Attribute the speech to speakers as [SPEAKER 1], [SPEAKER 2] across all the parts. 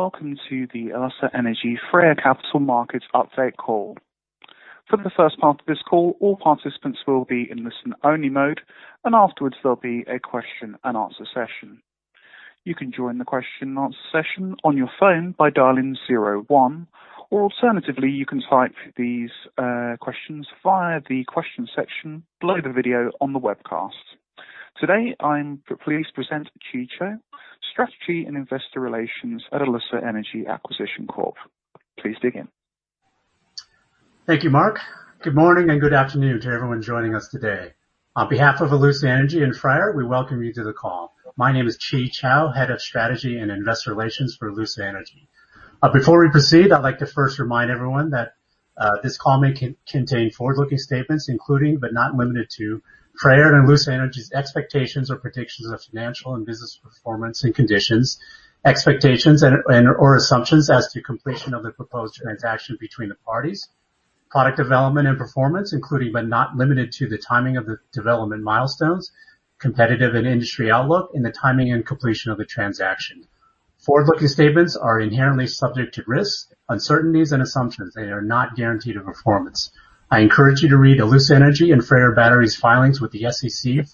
[SPEAKER 1] Welcome to the Alussa Energy Freyr Capital Markets update call. For the first part of this call, all participants will be in listen-only mode. Afterwards, there'll be a question and answer session. You can join the question and answer session on your phone by dialing zero one. Alternatively, you can type these questions via the questions section below the video on the webcast. Today, I'm pleased to present Chi Chow, Strategy and Investor Relations at Alussa Energy Acquisition Corp. Please begin.
[SPEAKER 2] Thank you, Mark. Good morning and good afternoon to everyone joining us today. On behalf of Alussa Energy and Freyr, we welcome you to the call. My name is Chi Chow, Head of Strategy and Investor Relations for Alussa Energy. Before we proceed, I'd like to first remind everyone that this call may contain forward-looking statements, including but not limited to, Freyr and Alussa Energy's expectations or predictions of financial and business performance and conditions, expectations and/or assumptions as to completion of the proposed transaction between the parties, product development and performance, including but not limited to the timing of the development milestones, competitive and industry outlook, and the timing and completion of the transaction. Forward-looking statements are inherently subject to risks, uncertainties, and assumptions. They are not guaranteed of performance. I encourage you to read Alussa Energy and FREYR Battery filings with the SEC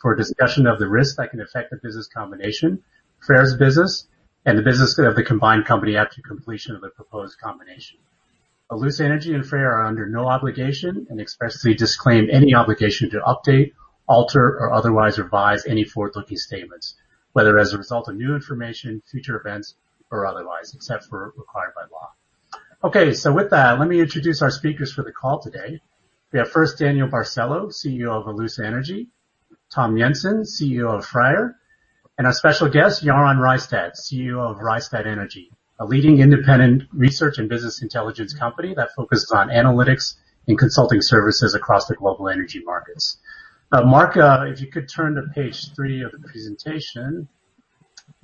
[SPEAKER 2] for a discussion of the risks that can affect the business combination, Freyr's business, and the business of the combined company after completion of the proposed combination. Alussa Energy and Freyr are under no obligation and expressly disclaim any obligation to update, alter, or otherwise revise any forward-looking statements, whether as a result of new information, future events, or otherwise, except for required by law. Okay. With that, let me introduce our speakers for the call today. We have first Daniel Barcelo, CEO of Alussa Energy, Tom Jensen, CEO of Freyr, and our special guest, Jarand Rystad, CEO of Rystad Energy, a leading independent research and business intelligence company that focuses on analytics and consulting services across the global energy markets. Mark, if you could turn to page three of the presentation.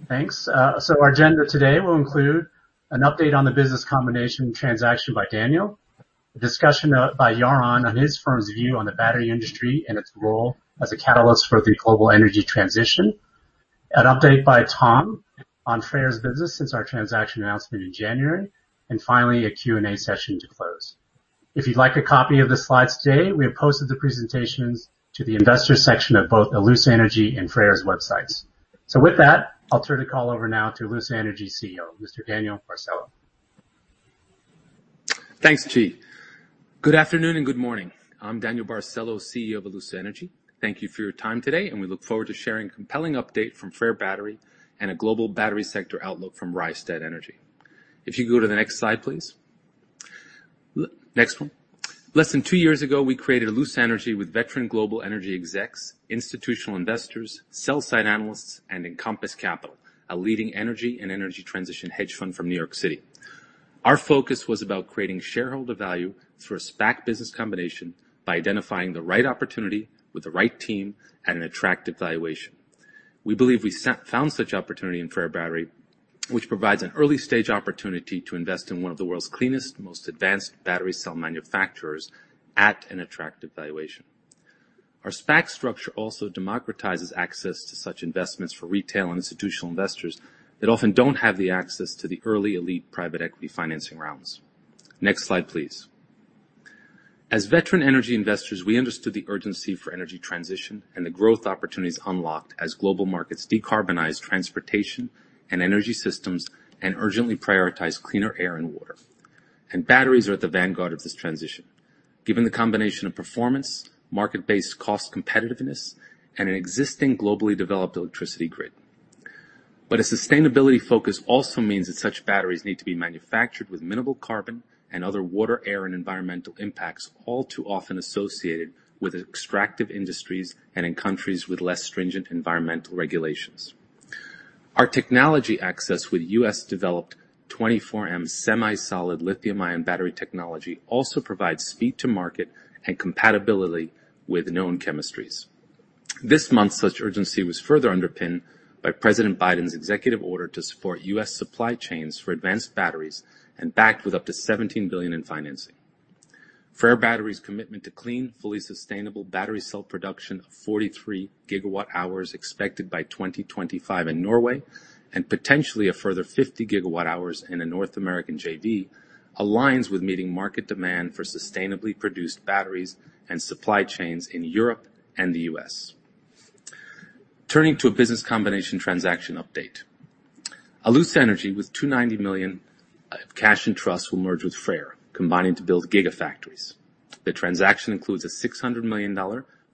[SPEAKER 2] Thanks. Our agenda today will include an update on the business combination transaction by Daniel Barcelo, a discussion by Jarand Rystad on his firm's view on the battery industry and its role as a catalyst for the global energy transition, an update by Tom on Freyr's business since our transaction announcement in January, and finally, a Q&A session to close. If you'd like a copy of the slides today, we have posted the presentations to the investor section of both Alussa Energy and Freyr's websites. With that, I'll turn the call over now to Alussa Energy CEO, Mr. Daniel Barcelo.
[SPEAKER 3] Thanks, Chi. Good afternoon and good morning. I'm Daniel Barcelo, CEO of Alussa Energy. Thank you for your time today, and we look forward to sharing a compelling update from Freyr Battery and a global battery sector outlook from Rystad Energy. If you go to the next slide, please. Next one. Less than two years ago, we created Alussa Energy with veteran global energy execs, institutional investors, sell-side analysts, and Encompass Capital, a leading energy and energy transition hedge fund from New York City. Our focus was about creating shareholder value through a SPAC business combination by identifying the right opportunity with the right team and an attractive valuation. We believe we found such opportunity in Freyr Battery, which provides an early-stage opportunity to invest in one of the world's cleanest, most advanced battery cell manufacturers at an attractive valuation. Our SPAC structure also democratizes access to such investments for retail and institutional investors that often don't have the access to the early elite private equity financing rounds. Next slide, please. As veteran energy investors, we understood the urgency for energy transition and the growth opportunities unlocked as global markets decarbonize transportation and energy systems and urgently prioritize cleaner air and water. Batteries are at the vanguard of this transition given the combination of performance, market-based cost competitiveness, and an existing globally developed electricity grid. A sustainability focus also means that such batteries need to be manufactured with minimal carbon and other water, air, and environmental impacts all too often associated with extractive industries and in countries with less stringent environmental regulations. Our technology access with U.S.-developed 24M semi-solid lithium-ion battery technology also provides speed to market and compatibility with known chemistries. This month, such urgency was further underpinned by President Biden's executive order to support U.S. supply chains for advanced batteries and backed with up to $17 billion in financing. FREYR Battery's commitment to clean, fully sustainable battery cell production of 43 GWh expected by 2025 in Norway, and potentially a further 50 GWh in a North American JV, aligns with meeting market demand for sustainably produced batteries and supply chains in Europe and the U.S. Turning to a business combination transaction update. Alussa Energy, with $290 million cash in trust, will merge with Freyr, combining to build gigafactories. The transaction includes a $600 million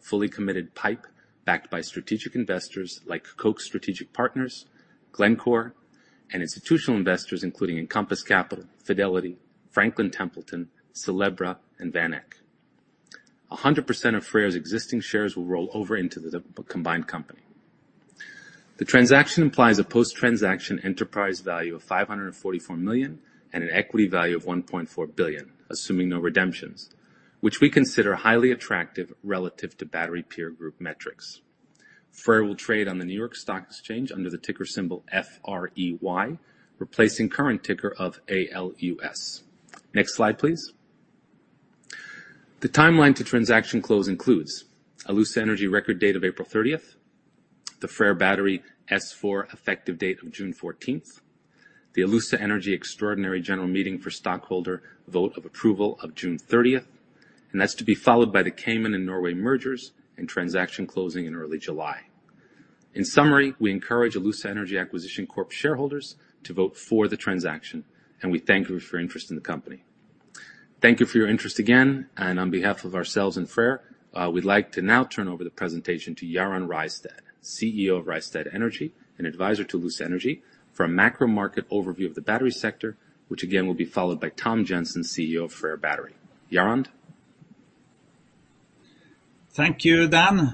[SPEAKER 3] fully committed PIPE backed by strategic investors like Koch Strategic Platforms, Glencore, and institutional investors including Encompass Capital, Fidelity, Franklin Templeton, Sylebra, and VanEck. 100% of Freyr's existing shares will roll over into the combined company. The transaction implies a post-transaction enterprise value of $544 million and an equity value of $1.4 billion, assuming no redemptions, which we consider highly attractive relative to battery peer group metrics. Freyr will trade on the New York Stock Exchange under the ticker symbol FREY, replacing current ticker of ALUS. Next slide, please. The timeline to transaction close includes Alussa Energy record date of April 30th, the FREYR Battery S-4 effective date of June 14th, the Alussa Energy extraordinary general meeting for stockholder vote of approval of June 30th, and that's to be followed by the Cayman and Norway mergers, and transaction closing in early July. In summary, we encourage Alussa Energy Acquisition Corp. shareholders to vote for the transaction, and we thank you for your interest in the company. Thank you for your interest again, and on behalf of ourselves and Freyr, we'd like to now turn over the presentation to Jarand Rystad, CEO of Rystad Energy and advisor to Alussa Energy, for a macro market overview of the battery sector, which again, will be followed by Tom Jensen, CEO of FREYR Battery. Jarand.
[SPEAKER 4] Thank you, Dan.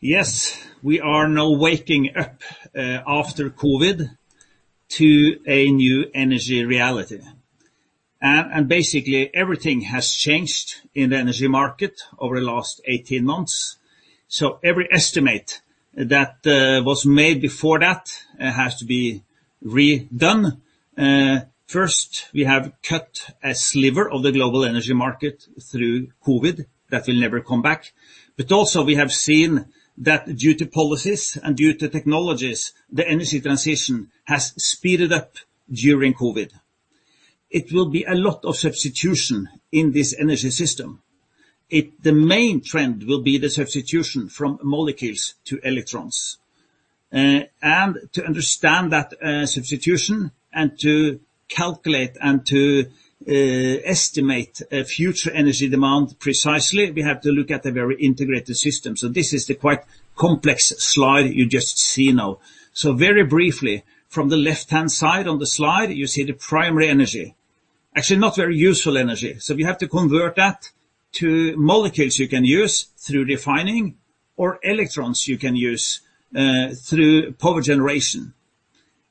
[SPEAKER 4] Yes, we are now waking up after COVID to a new energy reality. Basically, everything has changed in the energy market over the last 18 months. Every estimate that was made before that has to be redone. First, we have cut a sliver of the global energy market through COVID that will never come back. Also, we have seen that due to policies and due to technologies, the energy transition has speeded up during COVID. It will be a lot of substitution in this energy system. The main trend will be the substitution from molecules to electrons. To understand that substitution and to calculate and to estimate future energy demand precisely, we have to look at a very integrated system. This is the quite complex slide you just see now. Very briefly, from the left-hand side on the slide, you see the primary energy. Actually not very useful energy. We have to convert that to molecules you can use through refining or electrons you can use through power generation.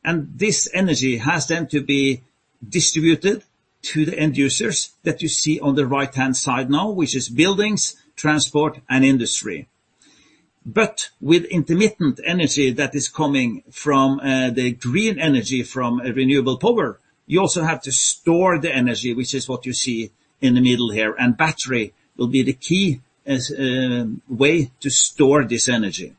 [SPEAKER 4] This energy has then to be distributed to the end users that you see on the right-hand side now, which is buildings, transport, and industry. With intermittent energy that is coming from the green energy from renewable power, you also have to store the energy, which is what you see in the middle here, and battery will be the key way to store this energy.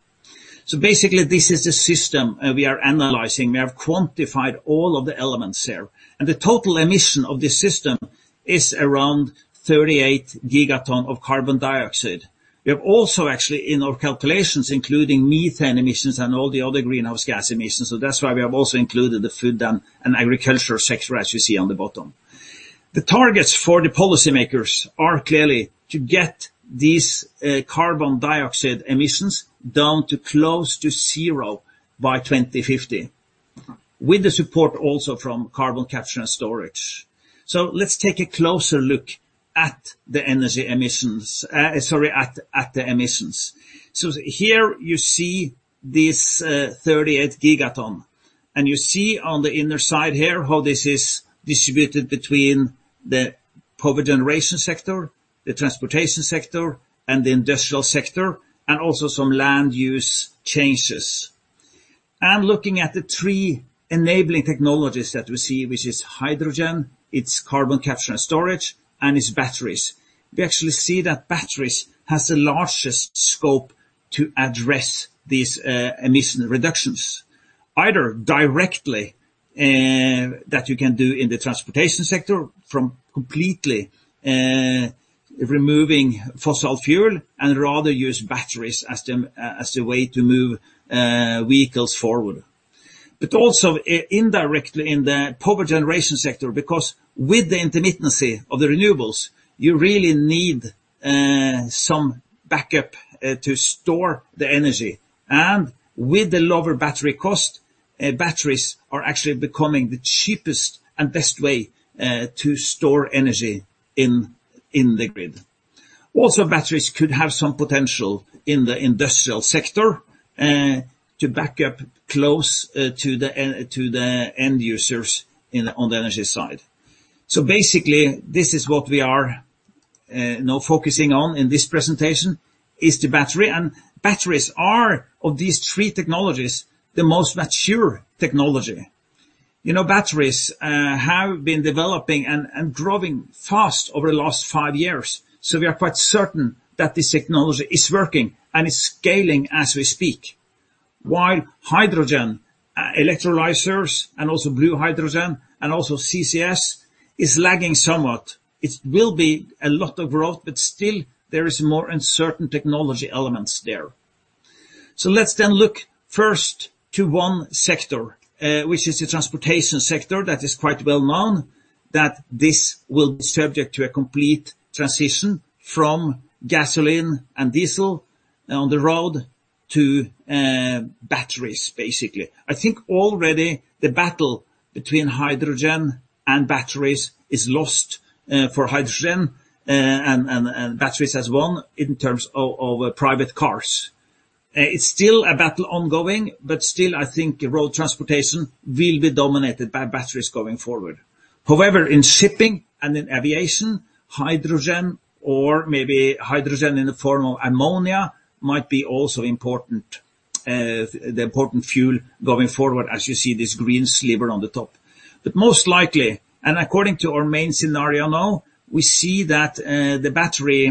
[SPEAKER 4] Basically, this is a system we are analyzing. We have quantified all of the elements there. The total emission of the system is around 38 gigaton of carbon dioxide. We have also actually in our calculations, including methane emissions and all the other greenhouse gas emissions, so that's why we have also included the food and agricultural sector as you see on the bottom. The targets for the policymakers are clearly to get these carbon dioxide emissions down to close to zero by 2050, with the support also from carbon capture and storage. Let's take a closer look at the emissions. Here you see this 38 gigaton, and you see on the inner side here how this is distributed between the power generation sector, the transportation sector, and the industrial sector, and also some land use changes. Looking at the three enabling technologies that we see, which is hydrogen, it's carbon capture and storage, and it's batteries. We actually see that batteries has the largest scope to address these emission reductions, either directly, that we can do in the transportation sector from completely removing fossil fuel and rather use batteries as the way to move vehicles forward. Also, indirectly in the power generation sector, because with the intermittency of the renewables, you really need some backup to store the energy. With the lower battery cost, batteries are actually becoming the cheapest and best way to store energy in the grid. Also, batteries could have some potential in the industrial sector to back up close to the end users on the energy side. Basically, this is what we are now focusing on in this presentation is the battery. Batteries are, of these three technologies, the most mature technology. Batteries have been developing and growing fast over the last five years. We are quite certain that this technology is working and is scaling as we speak. Hydrogen electrolyzers and also blue hydrogen and also CCS is lagging somewhat. It will be a lot of growth, but still there is more uncertain technology elements there. Let's then look first to one sector, which is the transportation sector that is quite well known, that this will be subject to a complete transition from gasoline and diesel on the road to batteries, basically. I think already the battle between hydrogen and batteries is lost for hydrogen, and batteries has won in terms of private cars. It's still a battle ongoing, but still I think road transportation will be dominated by batteries going forward. In shipping and in aviation, hydrogen or maybe hydrogen in the form of ammonia might be also important the important fuel going forward, as you see this green sliver on the top. Most likely, and according to our main scenario now, we see that the battery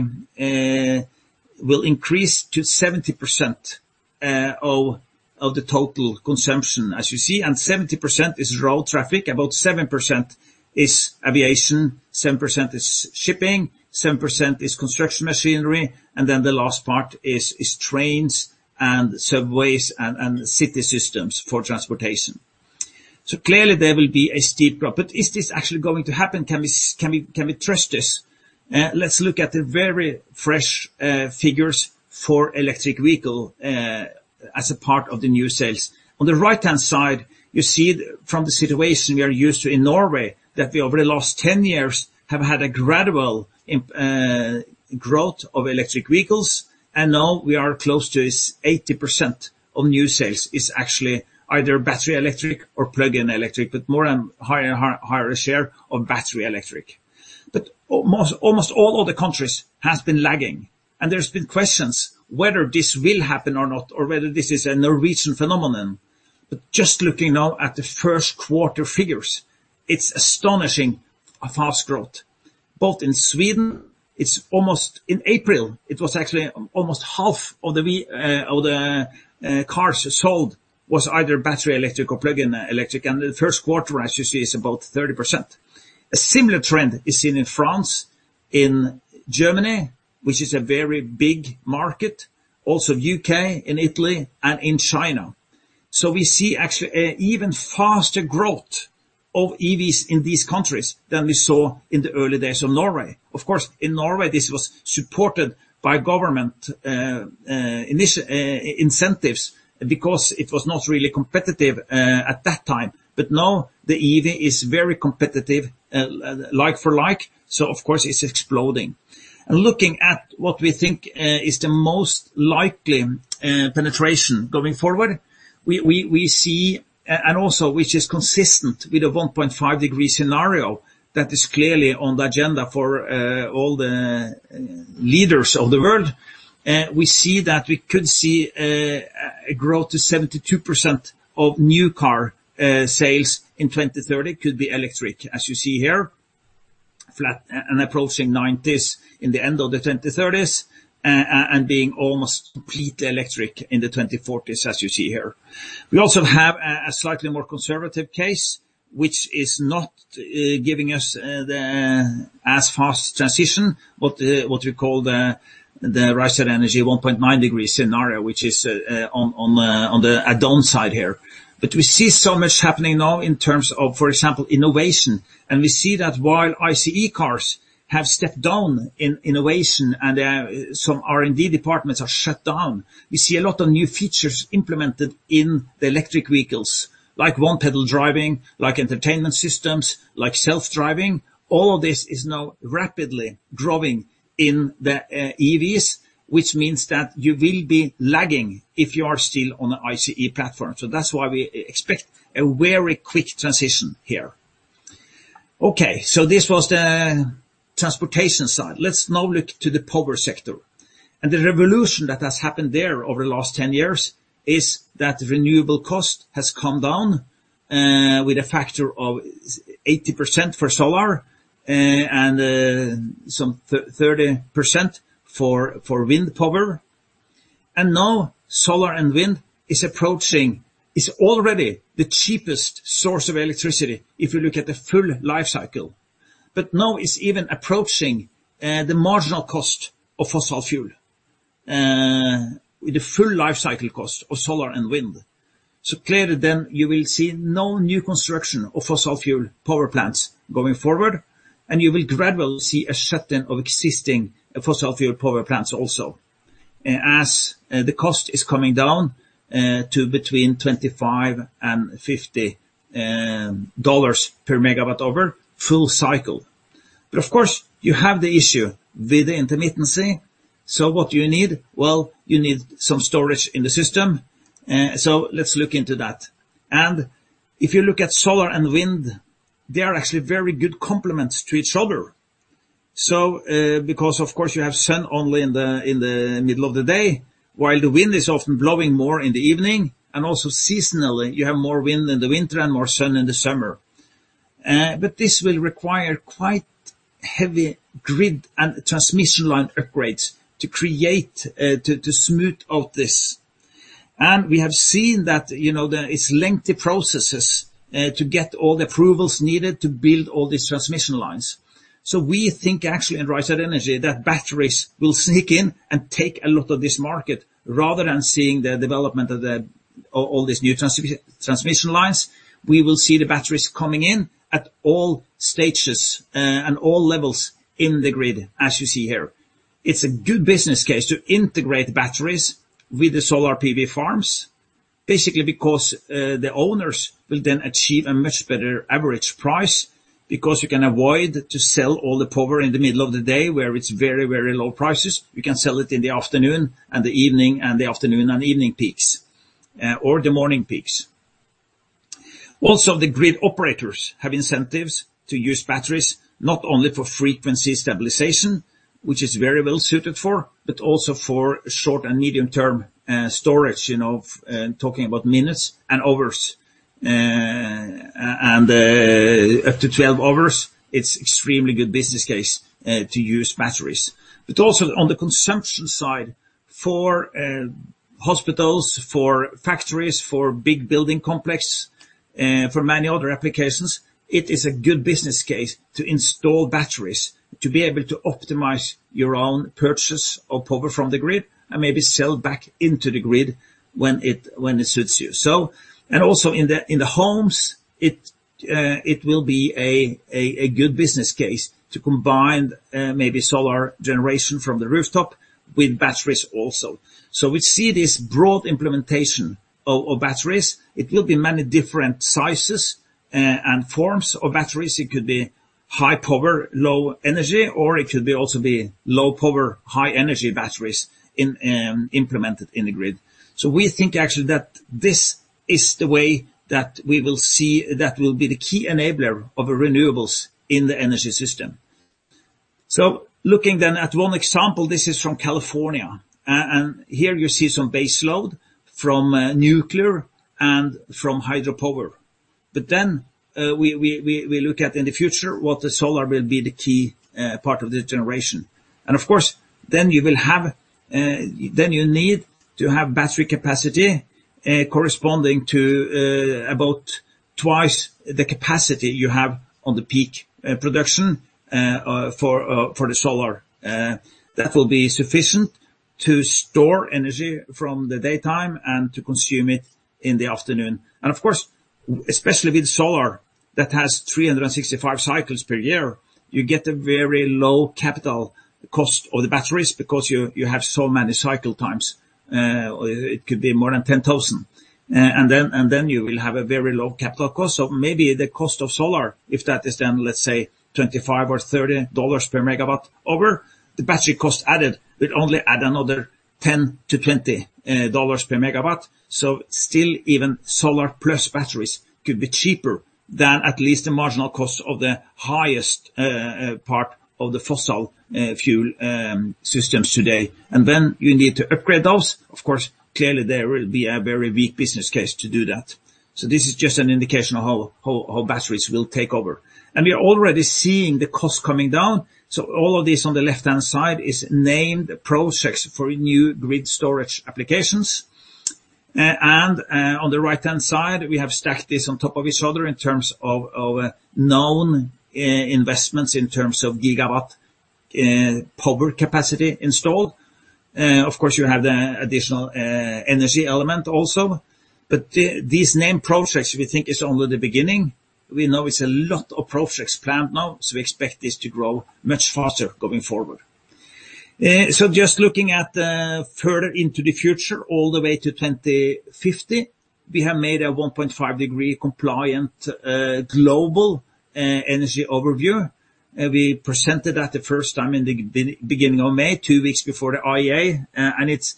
[SPEAKER 4] will increase to 70% of the total consumption as you see, and 70% is road traffic, about 7% is aviation, 7% is shipping, 7% is construction machinery, and then the last part is trains and subways and city systems for transportation. Clearly there will be a steep drop. Is this actually going to happen? Can we trust this? Let's look at the very fresh figures for electric vehicle as a part of the new sales. On the right-hand side, you see from the situation we are used to in Norway, that we over the last 10 years have had a gradual growth of electric vehicles. Now we are close to this 80% of new sales is actually either battery electric or plug-in electric, but more and higher share of battery electric. Almost all other countries has been lagging. There's been questions whether this will happen or not, or whether this is a Norwegian phenomenon. Just looking now at the first quarter figures, it's astonishing a fast growth. Both in Sweden, in April, it was actually almost half of the cars sold was either battery electric or plug-in electric. The first quarter, as you see, is about 30%. A similar trend is seen in France, in Germany, which is a very big market, also U.K., in Italy, and in China. We see actually an even faster growth of EVs in these countries than we saw in the early days of Norway. Of course, in Norway, this was supported by government incentives because it was not really competitive at that time. Now the EV is very competitive like for like, so of course it's exploding. Looking at what we think is the most likely penetration going forward, and also which is consistent with the 1.5-degree scenario that is clearly on the agenda for all the leaders of the world, we see that we could see a growth to 72% of new car sales in 2030 could be electric, as you see here. Flat and approaching 90s in the end of the 2030s, and being almost completely electric in the 2040s as you see here. We also have a slightly more conservative case, which is not giving us as fast transition, but what we call the Rystad Energy 1.9 degree scenario, which is on the add-on side here. We see so much happening now in terms of, for example, innovation. We see that while ICE cars have stepped down in innovation and some R&D departments are shut down, we see a lot of new features implemented in the electric vehicles, like one pedal driving, like entertainment systems, like self-driving. All of this is now rapidly growing in the EVs, which means that you will be lagging if you are still on the ICE platform. That's why we expect a very quick transition here. Okay, this was the transportation side. Let's now look to the power sector. The revolution that has happened there over the last 10 years is that renewable cost has come down with a factor of 80% for solar and some 30% for wind power. Now solar and wind is approaching, is already the cheapest source of electricity if you look at the full life cycle. Now it's even approaching the marginal cost of fossil fuel, with the full life cycle cost of solar and wind. Clearly you will see no new construction of fossil fuel power plants going forward, and you will gradually see a shutdown of existing fossil fuel power plants also as the cost is coming down to between $25 and $50 per megawatt over full cycle. Of course, you have the issue with the intermittency. What do you need? Well, you need some storage in the system. Let's look into that. If you look at solar and wind, they are actually very good complements to each other. Because of course you have sun only in the middle of the day, while the wind is often blowing more in the evening. Also seasonally, you have more wind in the winter and more sun in the summer. This will require quite heavy grid and transmission line upgrades to smooth out this. We have seen that it's lengthy processes to get all the approvals needed to build all these transmission lines. We think, actually, in Rystad Energy, that batteries will sneak in and take a lot of this market rather than seeing the development of all these new transmission lines. We will see the batteries coming in at all stages and all levels in the grid as you see here. It's a good business case to integrate batteries with the solar PV farms, basically because the owners will then achieve a much better average price, because you can avoid to sell all the power in the middle of the day where it's very, very low prices. You can sell it in the afternoon and the evening and the afternoon and evening peaks, or the morning peaks. The grid operators have incentives to use batteries, not only for frequency stabilization, which is very well suited for, but also for short and medium-term storage, talking about minutes and hours. Up to 12 hours, it's extremely good business case to use batteries. Also on the consumption side, for hospitals, for factories, for big building complex, for many other applications, it is a good business case to install batteries to be able to optimize your own purchase of power from the grid and maybe sell back into the grid when it suits you. Also in the homes, it will be a good business case to combine maybe solar generation from the rooftop with batteries also. We see this broad implementation of batteries. It will be many different sizes and forms of batteries. It could be high power, low energy, or it could also be low power, high energy batteries implemented in the grid. We think actually that this is the way that we will see that will be the key enabler of renewables in the energy system. Looking then at one example, this is from California. Here you see some base load from nuclear and from hydropower. We look at in the future what the solar will be the key part of the generation. Of course, then you need to have battery capacity corresponding to about twice the capacity you have on the peak production for the solar. That will be sufficient to store energy from the daytime and to consume it in the afternoon. Of course, especially with solar that has 365 cycles per year, you get a very low capital cost of the batteries because you have so many cycle times. It could be more than 10,000. Then you will have a very low capital cost. Maybe the cost of solar, if that is then, let's say, $25 or $30 per megawatt-hour, the battery cost added will only add another $10 to $20 per megawatt. Still, even solar plus batteries could be cheaper than at least the marginal cost of the highest part of the fossil fuel systems today. You need to upgrade those. Of course, clearly there will be a very weak business case to do that. This is just an indication of how batteries will take over. We are already seeing the cost coming down. All of this on the left-hand side is named projects for new grid storage applications. On the right-hand side, we have stacked this on top of each other in terms of known investments, in terms of gigawatt power capacity installed. Of course, you have the additional energy element also. These named projects, we think is only the beginning. We know it's a lot of projects planned now, so we expect this to grow much faster going forward. Just looking at further into the future, all the way to 2050. We have made a 1.5-degree compliant global energy overview. We presented that the first time in the beginning of May, two weeks before the IEA, it's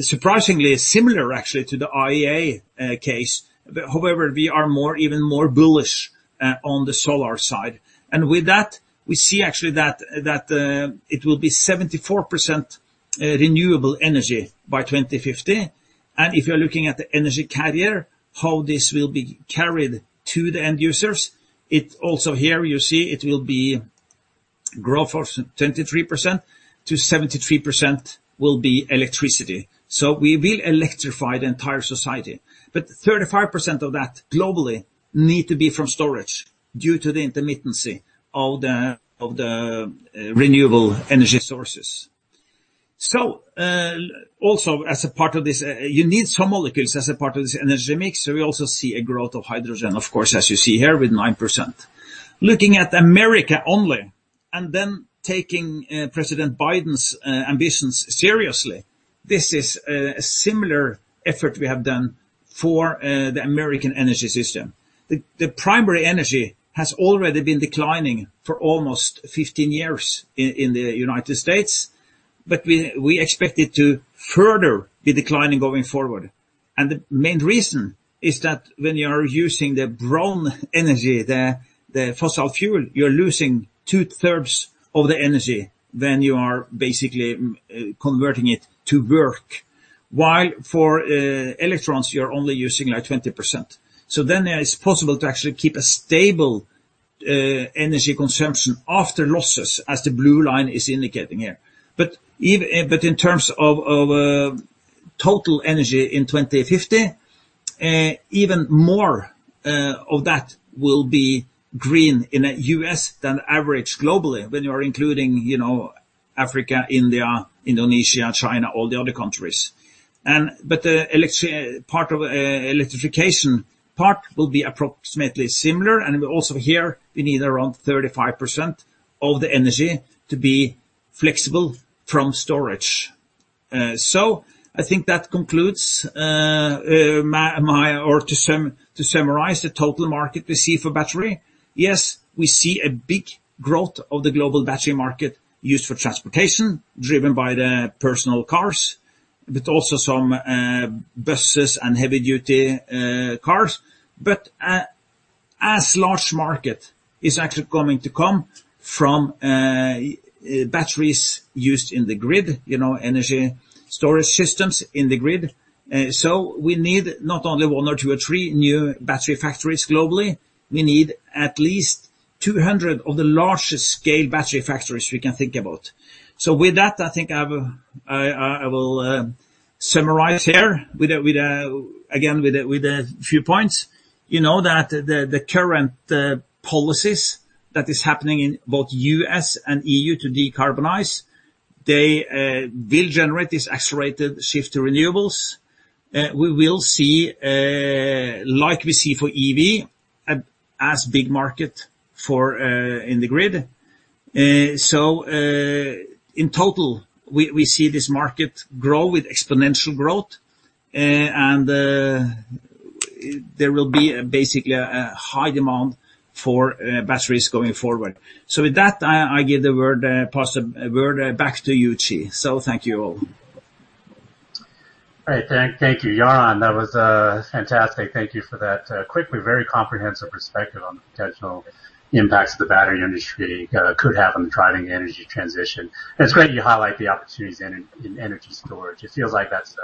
[SPEAKER 4] surprisingly similar actually to the IEA case. However, we are even more bullish on the solar side. With that, we see actually that it will be 74% renewable energy by 2050. If you're looking at the energy carrier, how this will be carried to the end users, it also here you see it will be growth of 23% to 73% will be electricity. We will electrify the entire society. 35% of that globally need to be from storage due to the intermittency of the renewable energy sources. Also as a part of this, you need some molecules as a part of this energy mix. We also see a growth of hydrogen, of course, as you see here with 9%. Looking at America only, taking President Biden's ambitions seriously, this is a similar effort we have done for the American energy system. The primary energy has already been declining for almost 15 years in the United States. We expect it to further be declining going forward. The main reason is that when you are using the brown energy, the fossil fuel, you're losing two-thirds of the energy than you are basically converting it to work. For electrons, you're only using like 20%. It's possible to actually keep a stable energy consumption after losses, as the blue line is indicating here. In terms of total energy in 2050, even more of that will be green in the U.S. than average globally when you are including Africa, India, Indonesia, China, all the other countries. The part of electrification part will be approximately similar, and also here we need around 35% of the energy to be flexible from storage. To summarize the total market we see for battery. Yes, we see a big growth of the global battery market used for transportation driven by the personal cars. But also some buses and heavy duty cars. A large market is actually coming to come from batteries used in the grid, energy storage systems in the grid. We need not only one or two or three new battery factories globally. We need at least 200 of the largest scale battery factories we can think about. With that, I think I will summarize here again with a few points, that the current policies that is happening in both U.S. and EU to decarbonize, they will generate this accelerated shift to renewables. We will see, like we see for EV, as big market for in the grid. In total, we see this market grow with exponential growth, and there will be basically a high demand for batteries going forward. With that, I give the word back to you, Chi. Thank you all.
[SPEAKER 2] Thank you, Jarand. That was fantastic. Thank you for that quickly very comprehensive perspective on the potential impacts the battery industry could have on driving the energy transition. It's great you highlight the opportunities in energy storage. It feels like that's,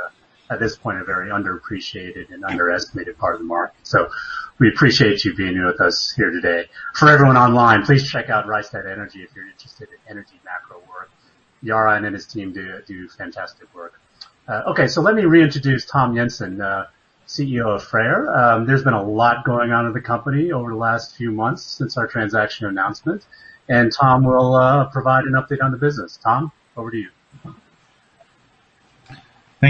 [SPEAKER 2] at this point, a very underappreciated and underestimated part of the market. We appreciate you being with us here today. For everyone online, please check out Rystad Energy if you're interested in energy macro work. Jarand Rystad and his team do fantastic work. Okay. Let me reintroduce Tom Jensen, CEO of FREYR. There's been a lot going on in the company over the last few months since our transaction announcement, and Tom will provide an update on the business. Tom, over to you.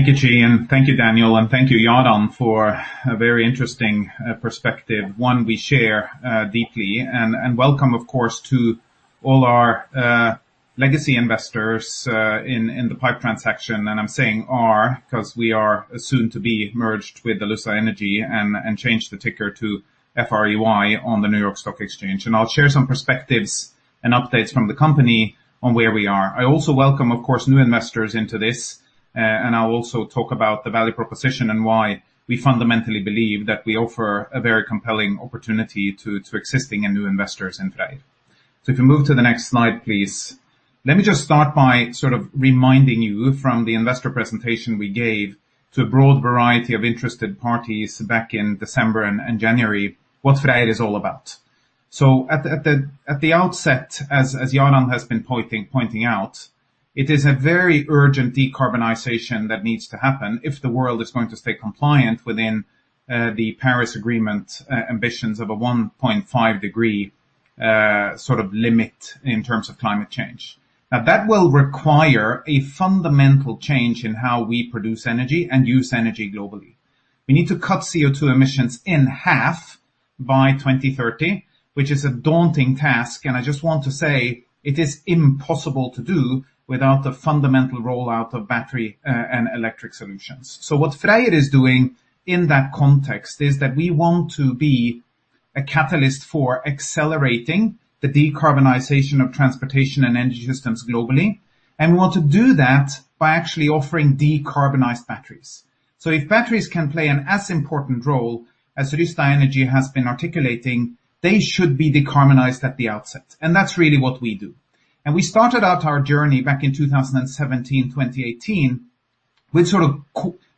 [SPEAKER 5] Thank you, Chi. Thank you, Daniel. Thank you, Jarand, for a very interesting perspective, one we share deeply. Welcome, of course, to all our legacy investors in the PIPE transaction. I'm saying "our" because we are soon to be merged with Alussa Energy and change the ticker to FREY on the New York Stock Exchange. I'll share some perspectives and updates from the company on where we are. I also welcome, of course, new investors into this. I'll also talk about the value proposition and why we fundamentally believe that we offer a very compelling opportunity to existing and new investors in FREYR. If you move to the next slide, please. Let me just start by sort of reminding you from the investor presentation we gave to a broad variety of interested parties back in December and January, what FREYR is all about. At the outset, as Jarand has been pointing out, it is a very urgent decarbonization that needs to happen if the world is going to stay compliant within the Paris Agreement ambitions of a 1.5 degree sort of limit in terms of climate change. That will require a fundamental change in how we produce energy and use energy globally. We need to cut CO2 emissions in half by 2030, which is a daunting task. I just want to say it is impossible to do without the fundamental rollout of battery and electric solutions. What FREYR is doing in that context is that we want to be a catalyst for accelerating the decarbonization of transportation and energy systems globally. We want to do that by actually offering decarbonized batteries. If batteries can play an as important role as Alussa Energy has been articulating, they should be decarbonized at the outset. That's really what we do. We started out our journey back in 2017, 2018 with sort of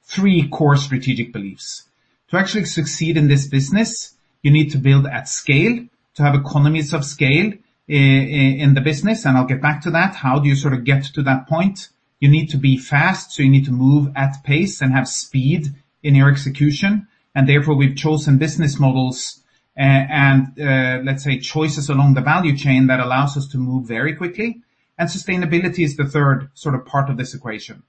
[SPEAKER 5] three core strategic beliefs. To actually succeed in this business, you need to build at scale to have economies of scale in the business, and I'll get back to that, how do you sort of get to that point. You need to be fast, so you need to move at pace and have speed in your execution. Therefore, we've chosen business models and, let's say, choices along the value chain that allows us to move very quickly. Sustainability is the third sort of part of this equation.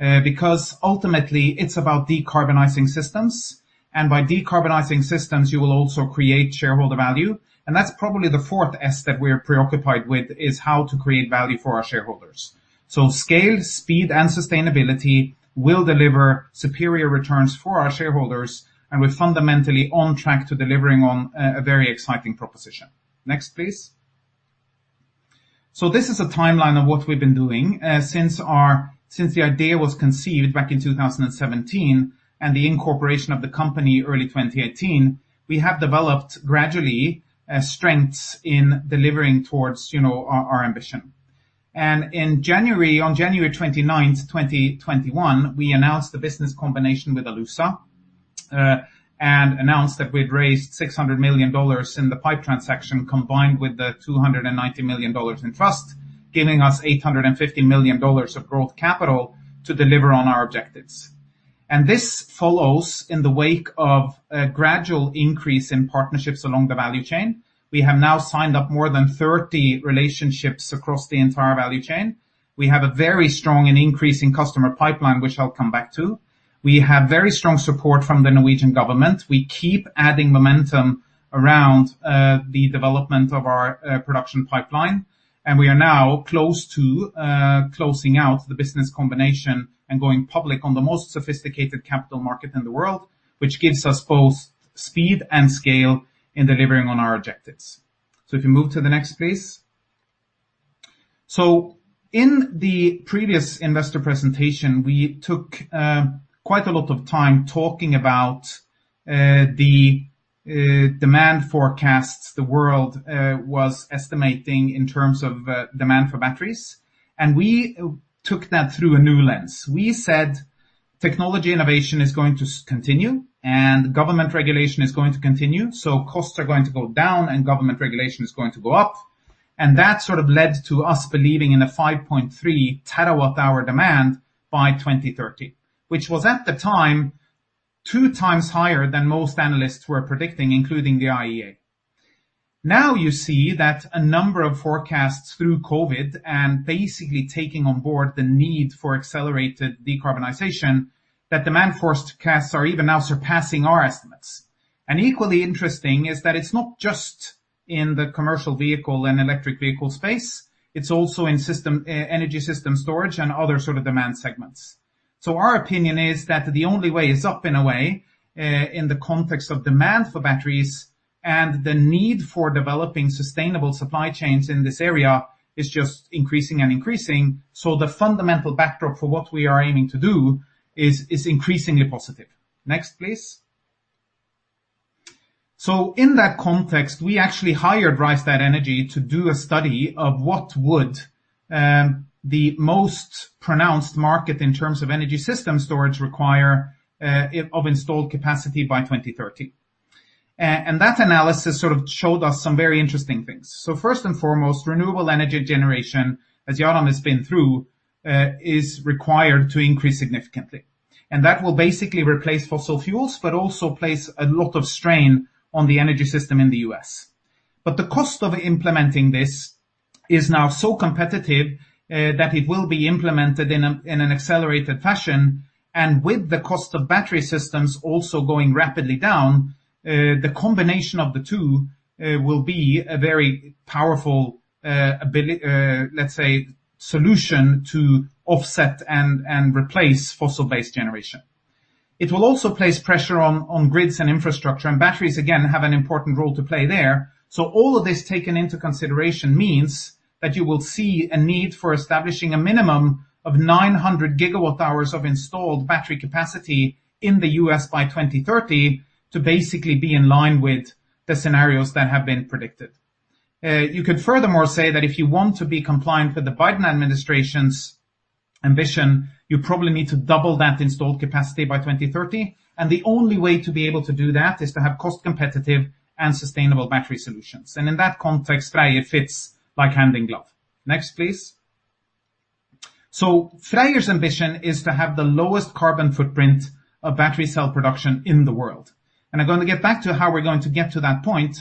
[SPEAKER 5] Ultimately, it's about decarbonizing systems, and by decarbonizing systems, you will also create shareholder value. That's probably the fourth S that we're preoccupied with is how to create value for our shareholders. Scale, speed, and sustainability will deliver superior returns for our shareholders, and we're fundamentally on track to delivering on a very exciting proposition. Next, please. This is a timeline of what we've been doing since the idea was conceived back in 2017 and the incorporation of the company early 2018. We have developed gradually strengths in delivering towards our ambition. On January 29th, 2021, we announced the business combination with Alussa, and announced that we'd raised $600 million in the PIPE transaction combined with the $290 million in trust, giving us $850 million of growth capital to deliver on our objectives. This follows in the wake of a gradual increase in partnerships along the value chain. We have now signed up more than 30 relationships across the entire value chain. We have a very strong and increasing customer pipeline, which I'll come back to. We have very strong support from the Norwegian government. We keep adding momentum around the development of our production pipeline, and we are now close to closing out the business combination and going public on the most sophisticated capital market in the world, which gives us both speed and scale in delivering on our objectives. If you move to the next, please. In the previous investor presentation, we took quite a lot of time talking about the demand forecasts the world was estimating in terms of demand for batteries. We took that through a new lens. We said technology innovation is going to continue and government regulation is going to continue, so costs are going to go down and government regulation is going to go up. That sort of led to us believing in a 5.3 terawatt-hour demand by 2030, which was at the time 2x higher than most analysts were predicting, including the IEA. Now you see that a number of forecasts through COVID and basically taking on board the need for accelerated decarbonization, that demand forecasts are even now surpassing our estimates. Equally interesting is that it's not just in the commercial vehicle and electric vehicle space, it's also in energy system storage and other sort of demand segments. Our opinion is that the only way is up in a way, in the context of demand for batteries and the need for developing sustainable supply chains in this area is just increasing. The fundamental backdrop for what we are aiming to do is increasingly positive. Next, please. In that context, we actually hired Rystad Energy to do a study of what would the most pronounced market in terms of energy system storage require of installed capacity by 2030. That analysis sort of showed us some very interesting things. First and foremost, renewable energy generation, as Jarand has been through, is required to increase significantly. That will basically replace fossil fuels, but also place a lot of strain on the energy system in the U.S. The cost of implementing this is now so competitive that it will be implemented in an accelerated fashion. With the cost of battery systems also going rapidly down, the combination of the two will be a very powerful, let's say, solution to offset and replace fossil-based generation. It will also place pressure on grids and infrastructure and batteries, again, have an important role to play there. All of this taken into consideration means that you will see a need for establishing a minimum of 900 GWh of installed battery capacity in the U.S. by 2030 to basically be in line with the scenarios that have been predicted. You could furthermore say that if you want to be compliant with the Biden administration's ambition, you probably need to double that installed capacity by 2030. The only way to be able to do that is to have cost competitive and sustainable battery solutions. In that context, Freyr fits like hand in glove. Next, please. Freyr's ambition is to have the lowest carbon footprint of battery cell production in the world. I'm going to get back to how we're going to get to that point.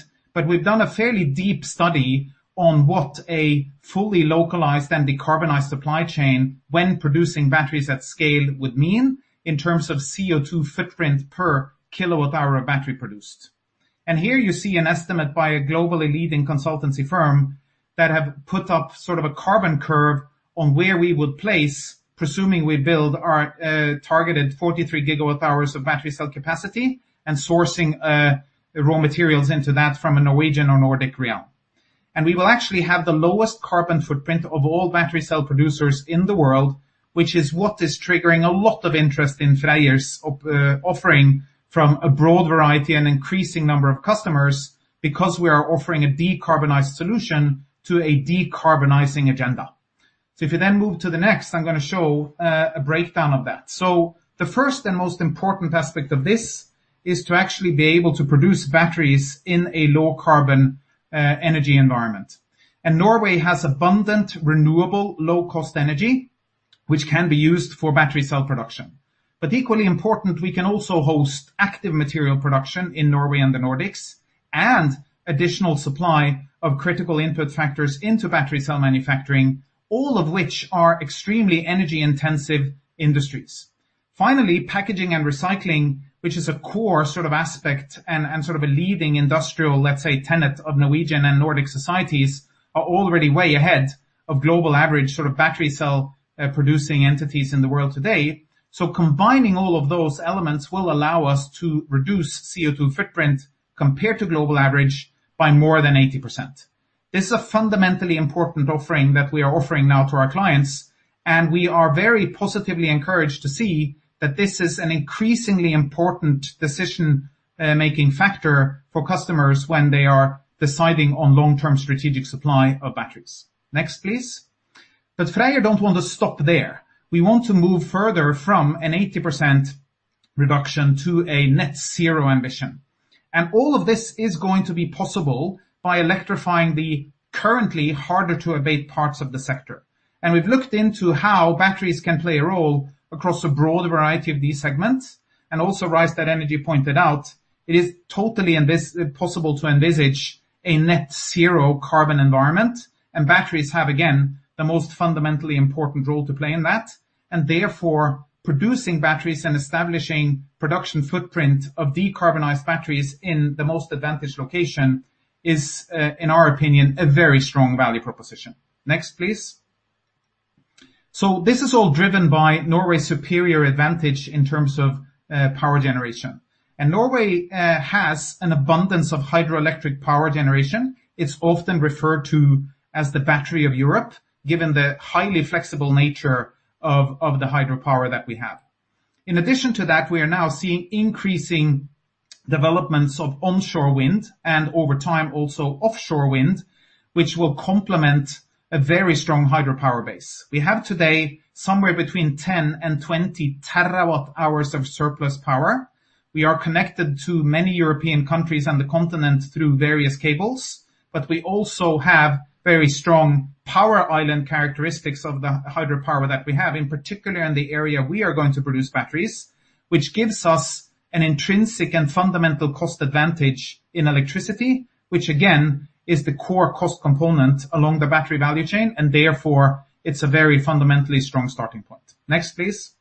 [SPEAKER 5] We've done a fairly deep study on what a fully localized and decarbonized supply chain when producing batteries at scale would mean in terms of CO2 footprint per kilowatt hour of battery produced. Here you see an estimate by a globally leading consultancy firm that have put up sort of a carbon curve on where we would place, presuming we build our targeted 43 GWh of battery cell capacity and sourcing raw materials into that from a Norwegian or Nordic realm. We will actually have the lowest carbon footprint of all battery cell producers in the world, which is what is triggering a lot of interest in Freyr's offering from a broad variety and increasing number of customers because we are offering a decarbonized solution to a decarbonizing agenda. If you then move to the next, I am going to show a breakdown of that. The first and most important aspect of this is to actually be able to produce batteries in a low carbon energy environment. Norway has abundant, renewable, low-cost energy, which can be used for battery cell production. Equally important, we can also host active material production in Norway and the Nordics and additional supply of critical input factors into battery cell manufacturing, all of which are extremely energy intensive industries. Finally, packaging and recycling, which is a core aspect and sort of a leading industrial, let's say, tenet of Norwegian and Nordic societies are already way ahead of global average battery cell producing entities in the world today. Combining all of those elements will allow us to reduce CO2 footprint compared to global average by more than 80%. This is a fundamentally important offering that we are offering now to our clients, and we are very positively encouraged to see that this is an increasingly important decision-making factor for customers when they are deciding on long-term strategic supply of batteries. Next, please. Freyr don't want to stop there. We want to move further from an 80% reduction to a net zero ambition. All of this is going to be possible by electrifying the currently harder to abate parts of the sector. We've looked into how batteries can play a role across a broad variety of these segments and also Rystad Energy pointed out it is totally possible to envisage a net zero carbon environment and batteries have, again, the most fundamentally important role to play in that. Therefore, producing batteries and establishing production footprint of decarbonized batteries in the most advantaged location is, in our opinion, a very strong value proposition. This is all driven by Norway's superior advantage in terms of power generation. Norway has an abundance of hydroelectric power generation. It's often referred to as the battery of Europe, given the highly flexible nature of the hydropower that we have. In addition to that, we are now seeing increasing developments of onshore wind, and over time, also offshore wind, which will complement a very strong hydropower base. We have today somewhere between 10 and 20 terawatt-hours of surplus power. We are connected to many European countries and the continent through various cables, but we also have very strong power island characteristics of the hydropower that we have, in particular in the area we are going to produce batteries, which gives us an intrinsic and fundamental cost advantage in electricity, which again, is the core cost component along the battery value chain, and therefore, it's a very fundamentally strong starting point. Next, please.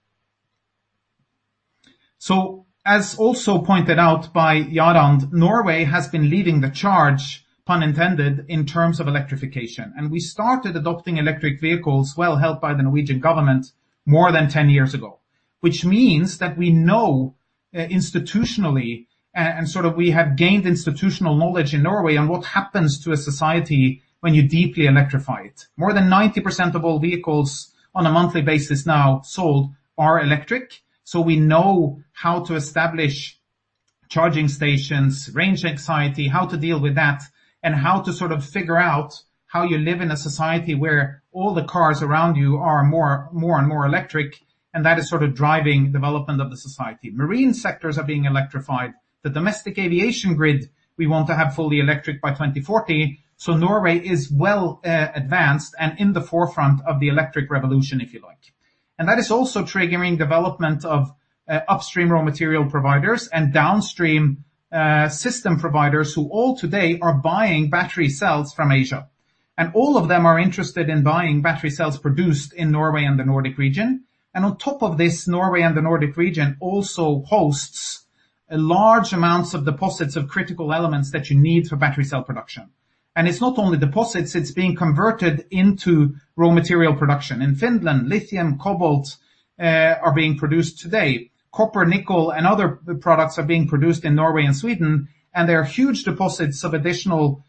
[SPEAKER 5] As also pointed out by Jarand, Norway has been leading the charge, pun intended, in terms of electrification. We started adopting electric vehicles well helped by the Norwegian government more than 10 years ago. Which means that we know institutionally and we have gained institutional knowledge in Norway on what happens to a society when you deeply electrify it. More than 90% of all vehicles on a monthly basis now sold are electric. We know how to establish charging stations, range anxiety, how to deal with that, and how to figure out how you live in a society where all the cars around you are more and more electric, and that is driving development of the society. Marine sectors are being electrified. The domestic aviation grid we want to have fully electric by 2040. Norway is well advanced and in the forefront of the electric revolution, if you like. That is also triggering development of upstream raw material providers and downstream system providers who all today are buying battery cells from Asia. All of them are interested in buying battery cells produced in Norway and the Nordic region. On top of this, Norway and the Nordic region also hosts large amounts of deposits of critical elements that you need for battery cell production. It's not only deposits, it's being converted into raw material production. In Finland, lithium, cobalt are being produced today. Copper, nickel, and other products are being produced in Norway and Sweden, and there are huge deposits of additional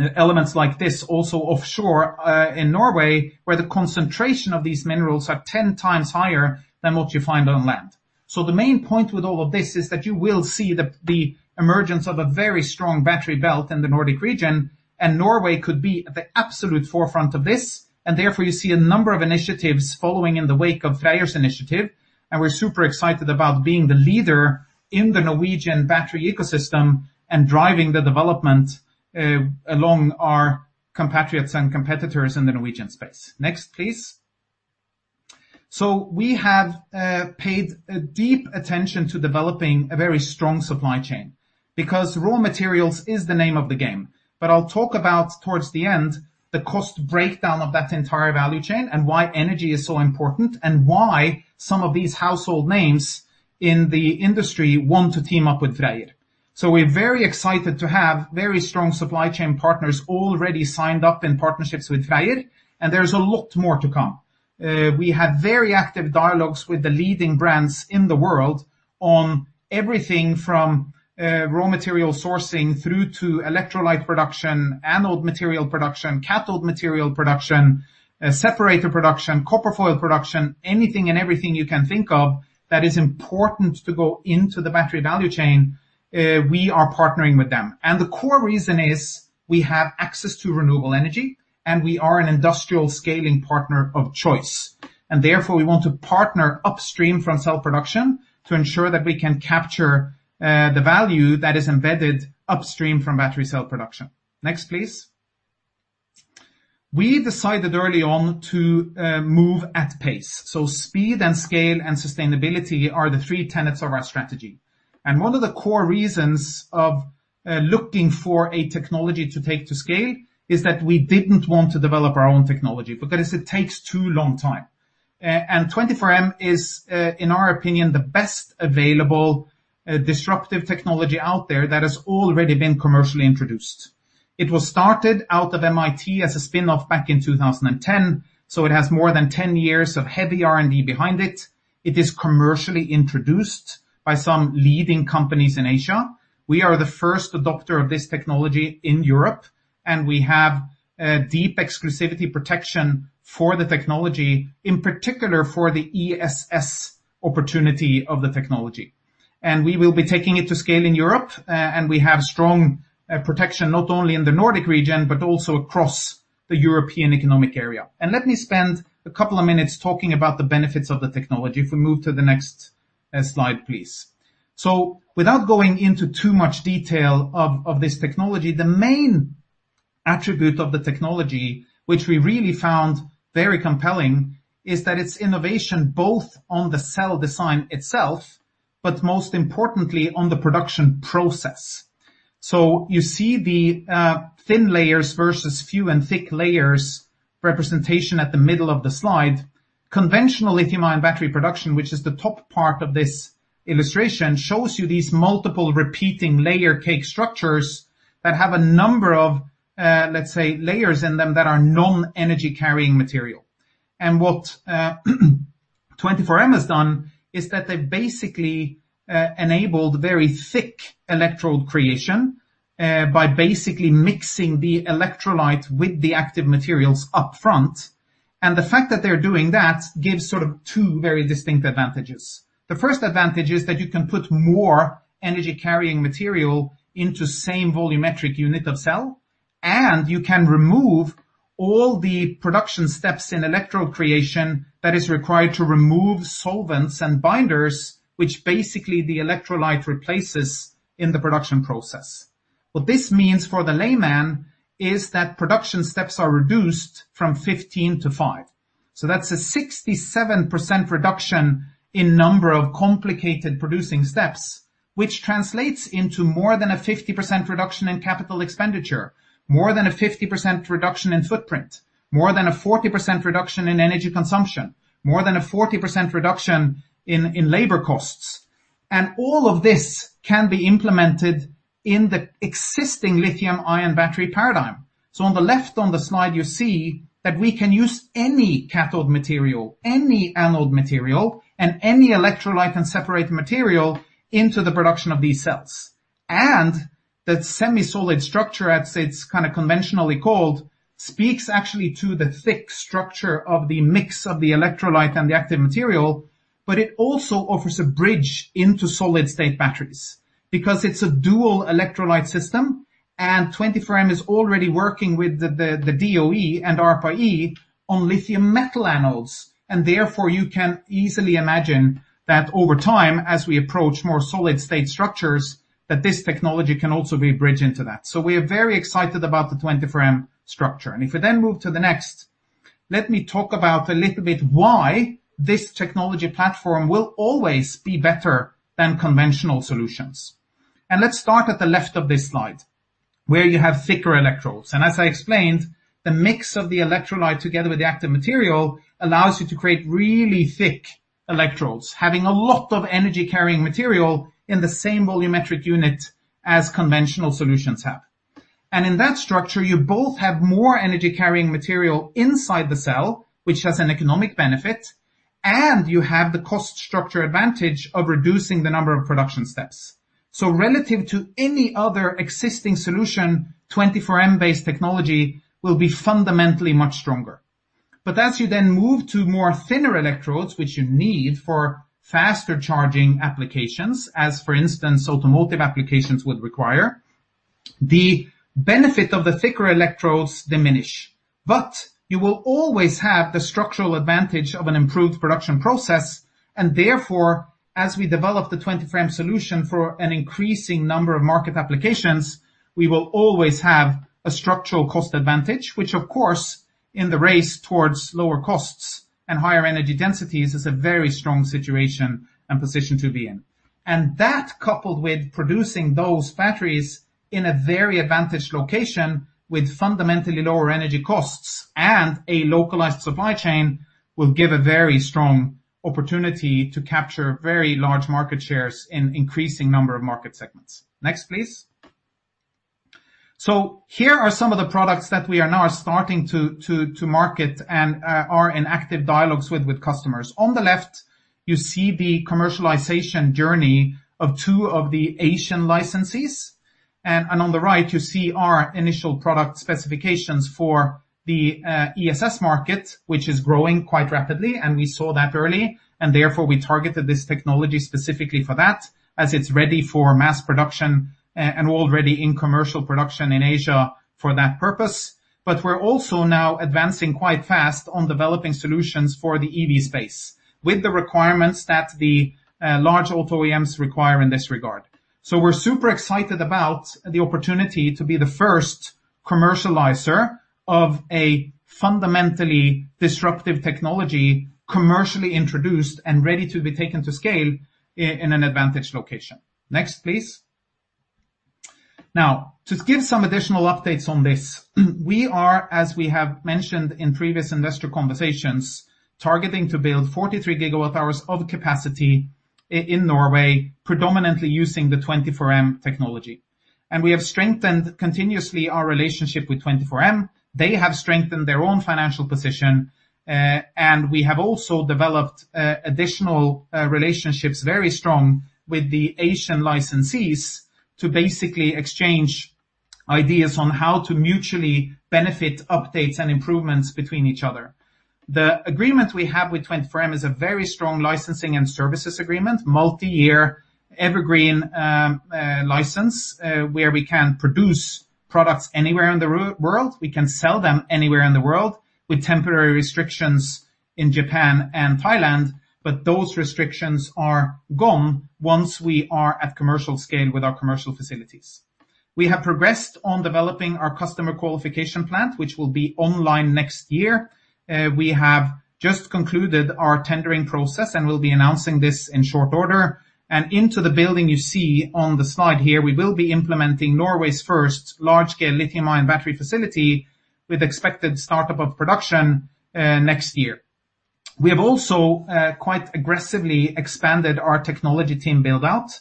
[SPEAKER 5] elements like this also offshore in Norway, where the concentration of these minerals are 10 times higher than what you find on land. The main point with all of this is that you will see the emergence of a very strong battery belt in the Nordic region, and Norway could be at the absolute forefront of this. Therefore you see a number of initiatives following in the wake of Freyr's initiative, and we're super excited about being the leader in the Norwegian battery ecosystem and driving the development along our compatriots and competitors in the Norwegian space. Next, please. We have paid deep attention to developing a very strong supply chain because raw materials is the name of the game. I'll talk about towards the end the cost breakdown of that entire value chain and why energy is so important, and why some of these household names in the industry want to team up with Freyr. We're very excited to have very strong supply chain partners already signed up in partnerships with Freyr, and there's a lot more to come. We have very active dialogues with the leading brands in the world on everything from raw material sourcing through to electrolyte production, anode material production, cathode material production, separator production, copper foil production. Anything and everything you can think of that is important to go into the battery value chain, we are partnering with them. The core reason is we have access to renewable energy, and we are an industrial scaling partner of choice, and therefore we want to partner upstream from cell production to ensure that we can capture the value that is embedded upstream from battery cell production. Next, please. We decided early on to move at pace. Speed and scale and sustainability are the three tenets of our strategy. One of the core reasons of looking for a technology to take to scale is that we didn't want to develop our own technology because it takes too long time. 24M is, in our opinion, the best available disruptive technology out there that has already been commercially introduced. It was started out of MIT as a spinoff back in 2010, so it has more than 10 years of heavy R&D behind it. It is commercially introduced by some leading companies in Asia. We are the first adopter of this technology in Europe, and we have deep exclusivity protection for the technology, in particular for the ESS opportunity of the technology. We will be taking it to scale in Europe, and we have strong protection not only in the Nordic region, but also across the European Economic Area. Let me spend a couple of minutes talking about the benefits of the technology. If we move to the next slide, please. Without going into too much detail of this technology, the main attribute of the technology, which we really found very compelling, is that it's innovation both on the cell design itself, but most importantly on the production process. You see the thin layers versus few and thick layers representation at the middle of the slide. Conventional lithium-ion battery production, which is the top part of this illustration, shows you these multiple repeating layer cake structures that have a number of, let's say, layers in them that are non-energy carrying material. What 24M has done is that they've basically enabled very thick electrode creation by basically mixing the electrolyte with the active materials upfront. The fact that they're doing that gives two very distinct advantages. The first advantage is that you can put more energy-carrying material into the same volumetric unit of cell, and you can remove all the production steps in electrode creation that is required to remove solvents and binders, which basically the electrolyte replaces in the production process. What this means for the layman is that production steps are reduced from 15 to five. That's a 67% reduction in number of complicated producing steps, which translates into more than a 50% reduction in capital expenditure, more than a 50% reduction in footprint, more than a 40% reduction in energy consumption, more than a 40% reduction in labor costs. All of this can be implemented in the existing lithium-ion battery paradigm. On the left on the slide, you see that we can use any cathode material, any anode material, and any electrolyte and separator material into the production of these cells. The semi-solid structure, as it's conventionally called, speaks actually to the thick structure of the mix of the electrolyte and the active material, but it also offers a bridge into solid-state batteries because it's a dual electrolyte system and 24M is already working with the DOE and ARPA-E on lithium-metal anodes. Therefore, you can easily imagine that over time, as we approach more solid-state structures, that this technology can also be a bridge into that. We are very excited about the 24M structure. If we then move to the next, let me talk about a little bit why this technology platform will always be better than conventional solutions. Let's start at the left of this slide where you have thicker electrodes. As I explained, the mix of the electrolyte together with the active material allows you to create really thick electrodes, having a lot of energy-carrying material in the same volumetric unit as conventional solutions have. In that structure, you both have more energy-carrying material inside the cell, which has an economic benefit, and you have the cost structure advantage of reducing the number of production steps. Relative to any other existing solution, 24M-based technology will be fundamentally much stronger. As you then move to more thinner electrodes, which you need for faster charging applications, as for instance, automotive applications would require, the benefit of the thicker electrodes diminish. You will always have the structural advantage of an improved production process, and therefore, as we develop the 24M solution for an increasing number of market applications, we will always have a structural cost advantage, which of course, in the race towards lower costs and higher energy densities, is a very strong situation and position to be in. That coupled with producing those batteries in a very advantaged location with fundamentally lower energy costs and a localized supply chain will give a very strong opportunity to capture very large market shares in increasing number of market segments. Next, please. Here are some of the products that we are now starting to market and are in active dialogues with customers. On the left, you see the commercialization journey of two of the Asian licensees, and on the right you see our initial product specifications for the ESS market, which is growing quite rapidly and we saw that early and therefore we targeted this technology specifically for that as it's ready for mass production and already in commercial production in Asia for that purpose. We're also now advancing quite fast on developing solutions for the EV space with the requirements that the large auto OEMs require in this regard. We're super excited about the opportunity to be the first commercializer of a fundamentally disruptive technology, commercially introduced and ready to be taken to scale in an advantaged location. Next, please. To give some additional updates on this, we are, as we have mentioned in previous investor conversations, targeting to build 43 GWh of capacity in Norway, predominantly using the 24M technology. We have strengthened continuously our relationship with 24M. They have strengthened their own financial position, and we have also developed additional relationships, very strong with the Asian licensees to basically exchange ideas on how to mutually benefit updates and improvements between each other. The agreement we have with 24M is a very strong licensing and services agreement, multi-year evergreen license, where we can produce products anywhere in the world. We can sell them anywhere in the world with temporary restrictions in Japan and Thailand, but those restrictions are gone once we are at commercial scale with our commercial facilities. We have progressed on developing our customer qualification plant, which will be online next year. We have just concluded our tendering process and will be announcing this in short order and into the building you see on the slide here, we will be implementing Norway's first large-scale lithium-ion battery facility with expected startup of production next year. We have also quite aggressively expanded our technology team build-out,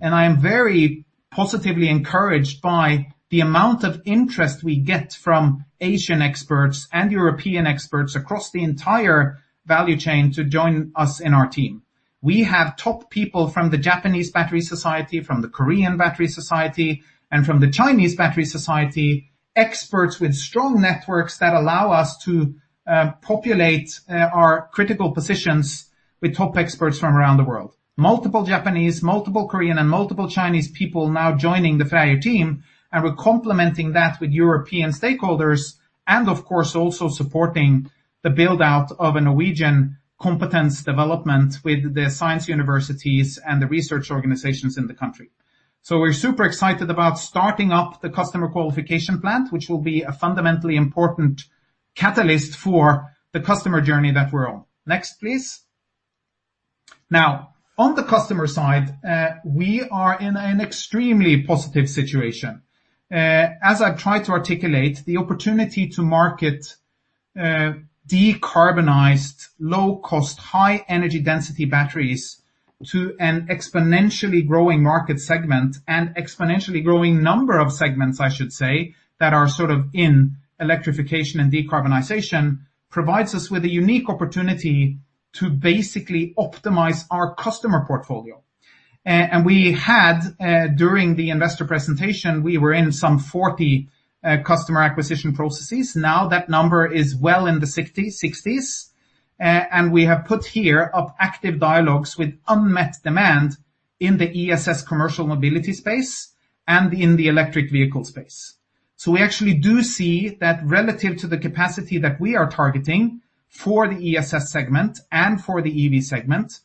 [SPEAKER 5] and I am very positively encouraged by the amount of interest we get from Asian experts and European experts across the entire value chain to join us in our team. We have top people from the Japanese Battery Society, from the Korean Battery Society, and from the Chinese Battery Society, experts with strong networks that allow us to populate our critical positions with top experts from around the world. Multiple Japanese, multiple Korean, and multiple Chinese people now joining the FREYR team, and we're complementing that with European stakeholders and of course, also supporting the build-out of a Norwegian competence development with the science universities and the research organizations in the country. We're super excited about starting up the customer qualification plant, which will be a fundamentally important catalyst for the customer journey that we're on. Next, please. Now, on the customer side, we are in an extremely positive situation. As I've tried to articulate the opportunity to market decarbonized, low cost, high energy density batteries to an exponentially growing market segment and exponentially growing number of segments, I should say, that are in electrification and decarbonization, provides us with a unique opportunity to basically optimize our customer portfolio. We had, during the investor presentation, we were in some 40 customer acquisition processes. That number is well in the 60s. We have put here of active dialogues with unmet demand in the ESS commercial mobility space and in the electric vehicle space. We actually do see that relative to the capacity that we are targeting for the ESS segment and for the EV segment,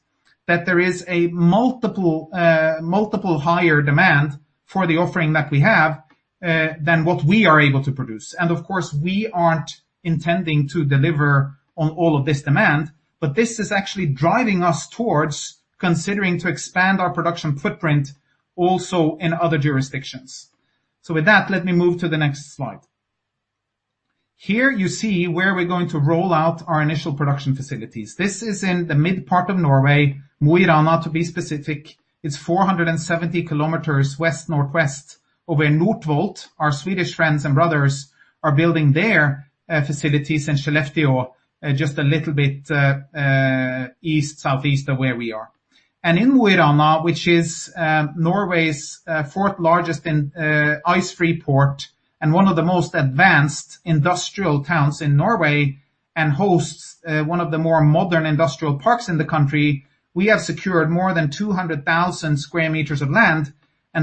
[SPEAKER 5] that there is a multiple higher demand for the offering that we have, than what we are able to produce. Of course, we aren't intending to deliver on all of this demand, but this is actually driving us towards considering to expand our production footprint also in other jurisdictions. With that, let me move to the next slide. Here you see where we're going to roll out our initial production facilities. This is in the mid part of Norway, Mo i Rana, to be specific. It's 470 km west-northwest of where Northvolt, our Swedish friends and brothers, are building their facilities in Skellefteå just a little bit east, southeast of where we are. In Mo i Rana, which is Norway's fourth largest ice-free port and one of the most advanced industrial towns in Norway and hosts one of the more modern industrial parks in the country, we have secured more than 200,000 sq m of land.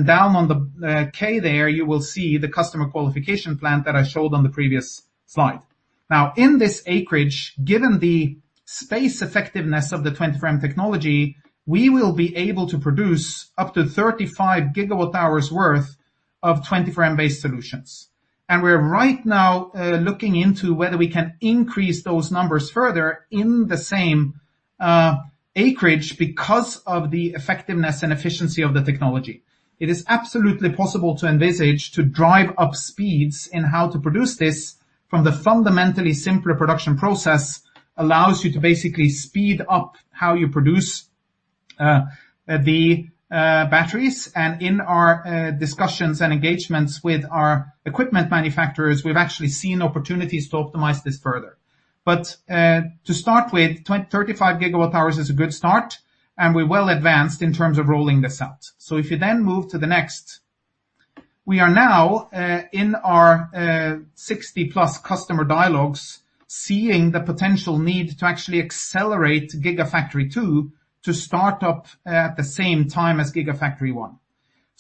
[SPEAKER 5] Down on the K there, you will see the customer qualification plant that I showed on the previous slide. Now, in this acreage, given the space effectiveness of the 24M technology, we will be able to produce up to 35 GWh worth of 24M-based solutions. We're right now looking into whether we can increase those numbers further in the same acreage because of the effectiveness and efficiency of the technology. It is absolutely possible to envisage to drive up speeds in how to produce this from the fundamentally simpler production process, allows you to basically speed up how you produce the batteries. In our discussions and engagements with our equipment manufacturers, we've actually seen opportunities to optimize this further. To start with, 35 GWh is a good start, and we're well advanced in terms of rolling this out. If you then move to the next. We are now, in our 60+ customer dialogues, seeing the potential need to actually accelerate Gigafactory 2 to start up at the same time as Gigafactory 1.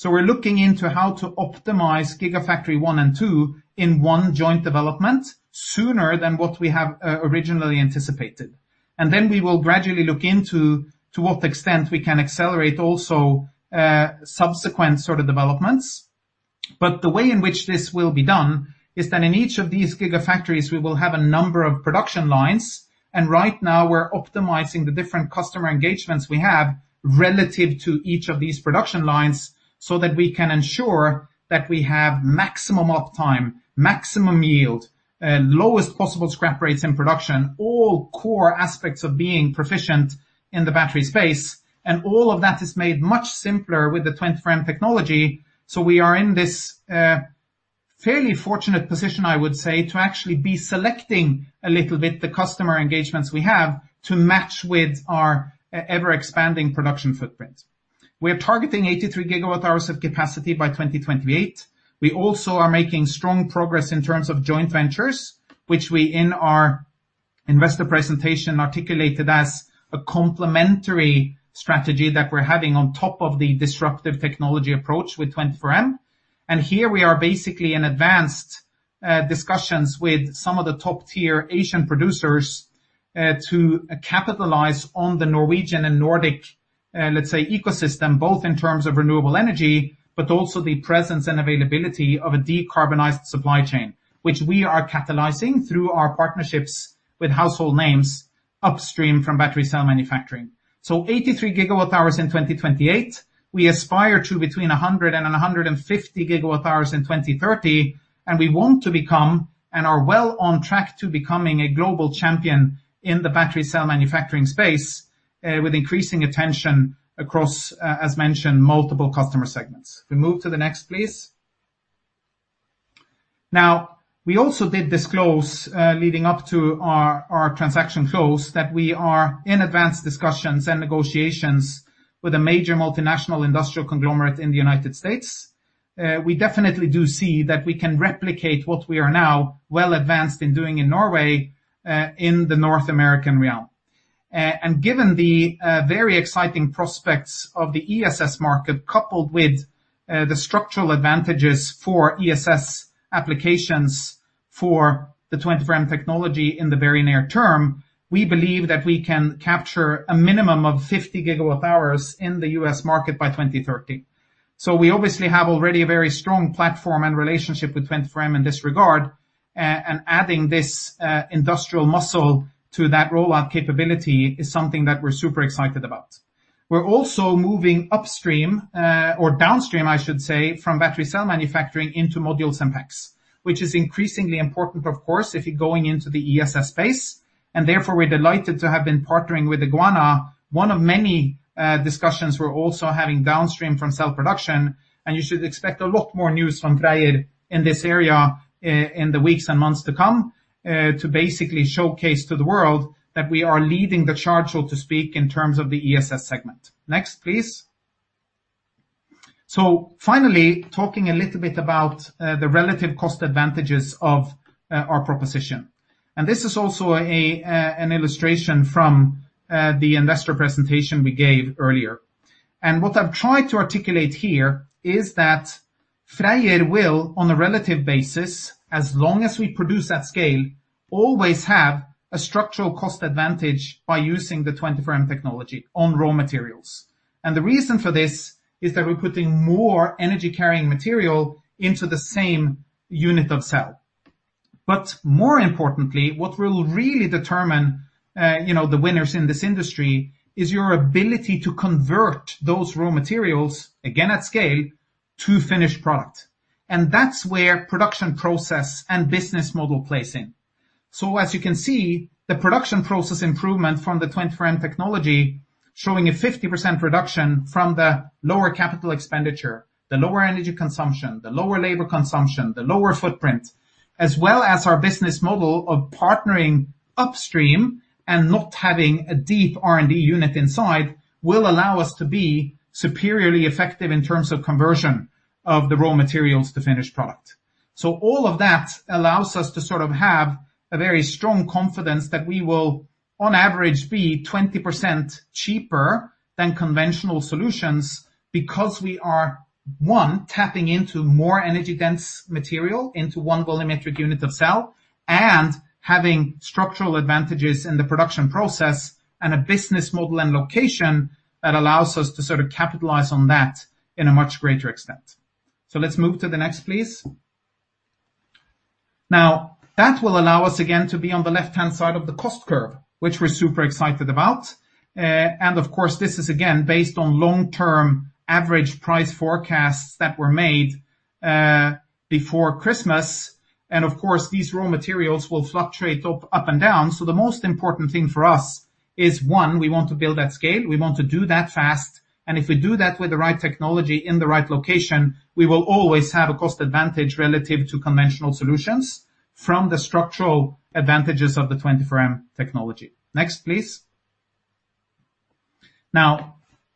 [SPEAKER 5] We're looking into how to optimize Gigafactory 1 and 2 in one joint development sooner than what we have originally anticipated. Then we will gradually look into to what extent we can accelerate also subsequent developments. The way in which this will be done is that in each of these gigafactories, we will have a number of production lines. Right now we're optimizing the different customer engagements we have relative to each of these production lines so that we can ensure that we have maximum up time, maximum yield, lowest possible scrap rates in production, all core aspects of being proficient in the battery space. All of that is made much simpler with the 24M technology. We are in this fairly fortunate position, I would say, to actually be selecting a little bit the customer engagements we have to match with our ever-expanding production footprint. We are targeting 83 GWh of capacity by 2028. We also are making strong progress in terms of joint ventures, which we, in our investor presentation, articulated as a complementary strategy that we're having on top of the disruptive technology approach with 24M. Here we are basically in advanced discussions with some of the top-tier Asian producers, to capitalize on the Norwegian and Nordic, let's say, ecosystem, both in terms of renewable energy, but also the presence and availability of a decarbonized supply chain, which we are catalyzing through our partnerships with household names upstream from battery cell manufacturing. 83 GWh in 2028. We aspire to between 100 GWh-150 GWh in 2030, and we want to become, and are well on track to becoming a global champion in the battery cell manufacturing space with increasing attention across, as mentioned, multiple customer segments. We move to the next, please. We also did disclose, leading up to our transaction close, that we are in advanced discussions and negotiations with a major multinational industrial conglomerate in the U.S. We definitely do see that we can replicate what we are now well advanced in doing in Norway, in the North American realm. Given the very exciting prospects of the ESS market, coupled with the structural advantages for ESS applications for the 24M technology in the very near term, we believe that we can capture a minimum of 50 GWh in the U.S. market by 2030. We obviously have already a very strong platform and relationship with 24M in this regard, and adding this industrial muscle to that rollout capability is something that we're super excited about. We're also moving upstream, or downstream, I should say, from battery cell manufacturing into modules and packs, which is increasingly important, of course, if you're going into the ESS space. Therefore, we're delighted to have been partnering with Eguana, one of many discussions we're also having downstream from cell production, and you should expect a lot more news from Freyr in this area in the weeks and months to come to basically showcase to the world that we are leading the charge, so to speak, in terms of the ESS segment. Next, please. Finally, talking a little bit about the relative cost advantages of our proposition. This is also an illustration from the investor presentation we gave earlier. What I've tried to articulate here is that Freyr will, on a relative basis, as long as we produce that scale, always have a structural cost advantage by using the 24M technology on raw materials. The reason for this is that we're putting more energy-carrying material into the same unit of cell. More importantly, what will really determine the winners in this industry is your ability to convert those raw materials, again at scale, to a finished product. That's where production process and business model plays in. As you can see, the production process improvement from the 24M technology showing a 50% reduction from the lower capital expenditure, the lower energy consumption, the lower labor consumption, the lower footprint, as well as our business model of partnering upstream and not having a deep R&D unit inside will allow us to be superiorly effective in terms of conversion of the raw materials to finished product. All of that allows us to sort of have a very strong confidence that we will, on average, be 20% cheaper than conventional solutions because we are, one, tapping into more energy-dense material into one volumetric unit of cell and having structural advantages in the production process and a business model and location that allows us to capitalize on that in a much greater extent. Let's move to the next, please. That will allow us again to be on the left-hand side of the cost curve, which we're super excited about. Of course, this is again based on long-term average price forecasts that were made before Christmas. Of course, these raw materials will fluctuate up and down. The most important thing for us is, one, we want to build that scale. We want to do that fast. If we do that with the right technology in the right location, we will always have a cost advantage relative to conventional solutions from the structural advantages of the 24M technology. Next, please.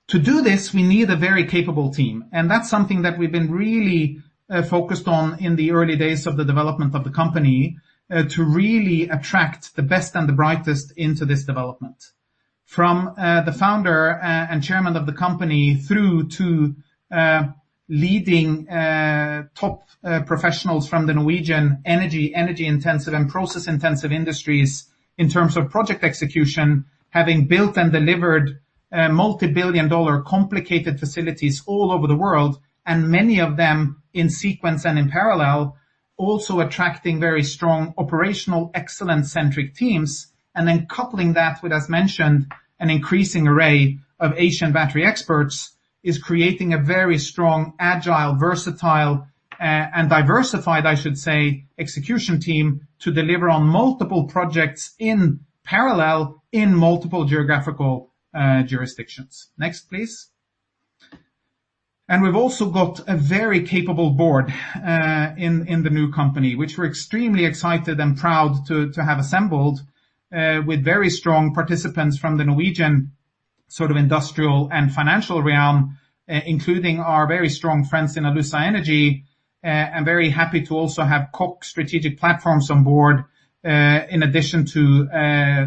[SPEAKER 5] To do this, we need a very capable team, and that's something that we've been really focused on in the early days of the development of the company to really attract the best and brightest into this development. From the founder and chairman of the company through to leading top professionals from the Norwegian energy-intensive, and process-intensive industries in terms of project execution, having built and delivered multibillion-dollar complicated facilities all over the world, many of them in sequence and in parallel, also attracting very strong operational excellence-centric teams, then coupling that with, as mentioned, an increasing array of Asian battery experts, is creating a very strong, agile, versatile, and diversified, I should say, execution team to deliver on multiple projects in parallel in multiple geographical jurisdictions. Next, please. We've also got a very capable board in the new company, which we're extremely excited and proud to have assembled with very strong participants from the Norwegian industrial and financial realm, including our very strong friends in Alussa Energy, and very happy to also have Koch Strategic Platforms on board, in addition to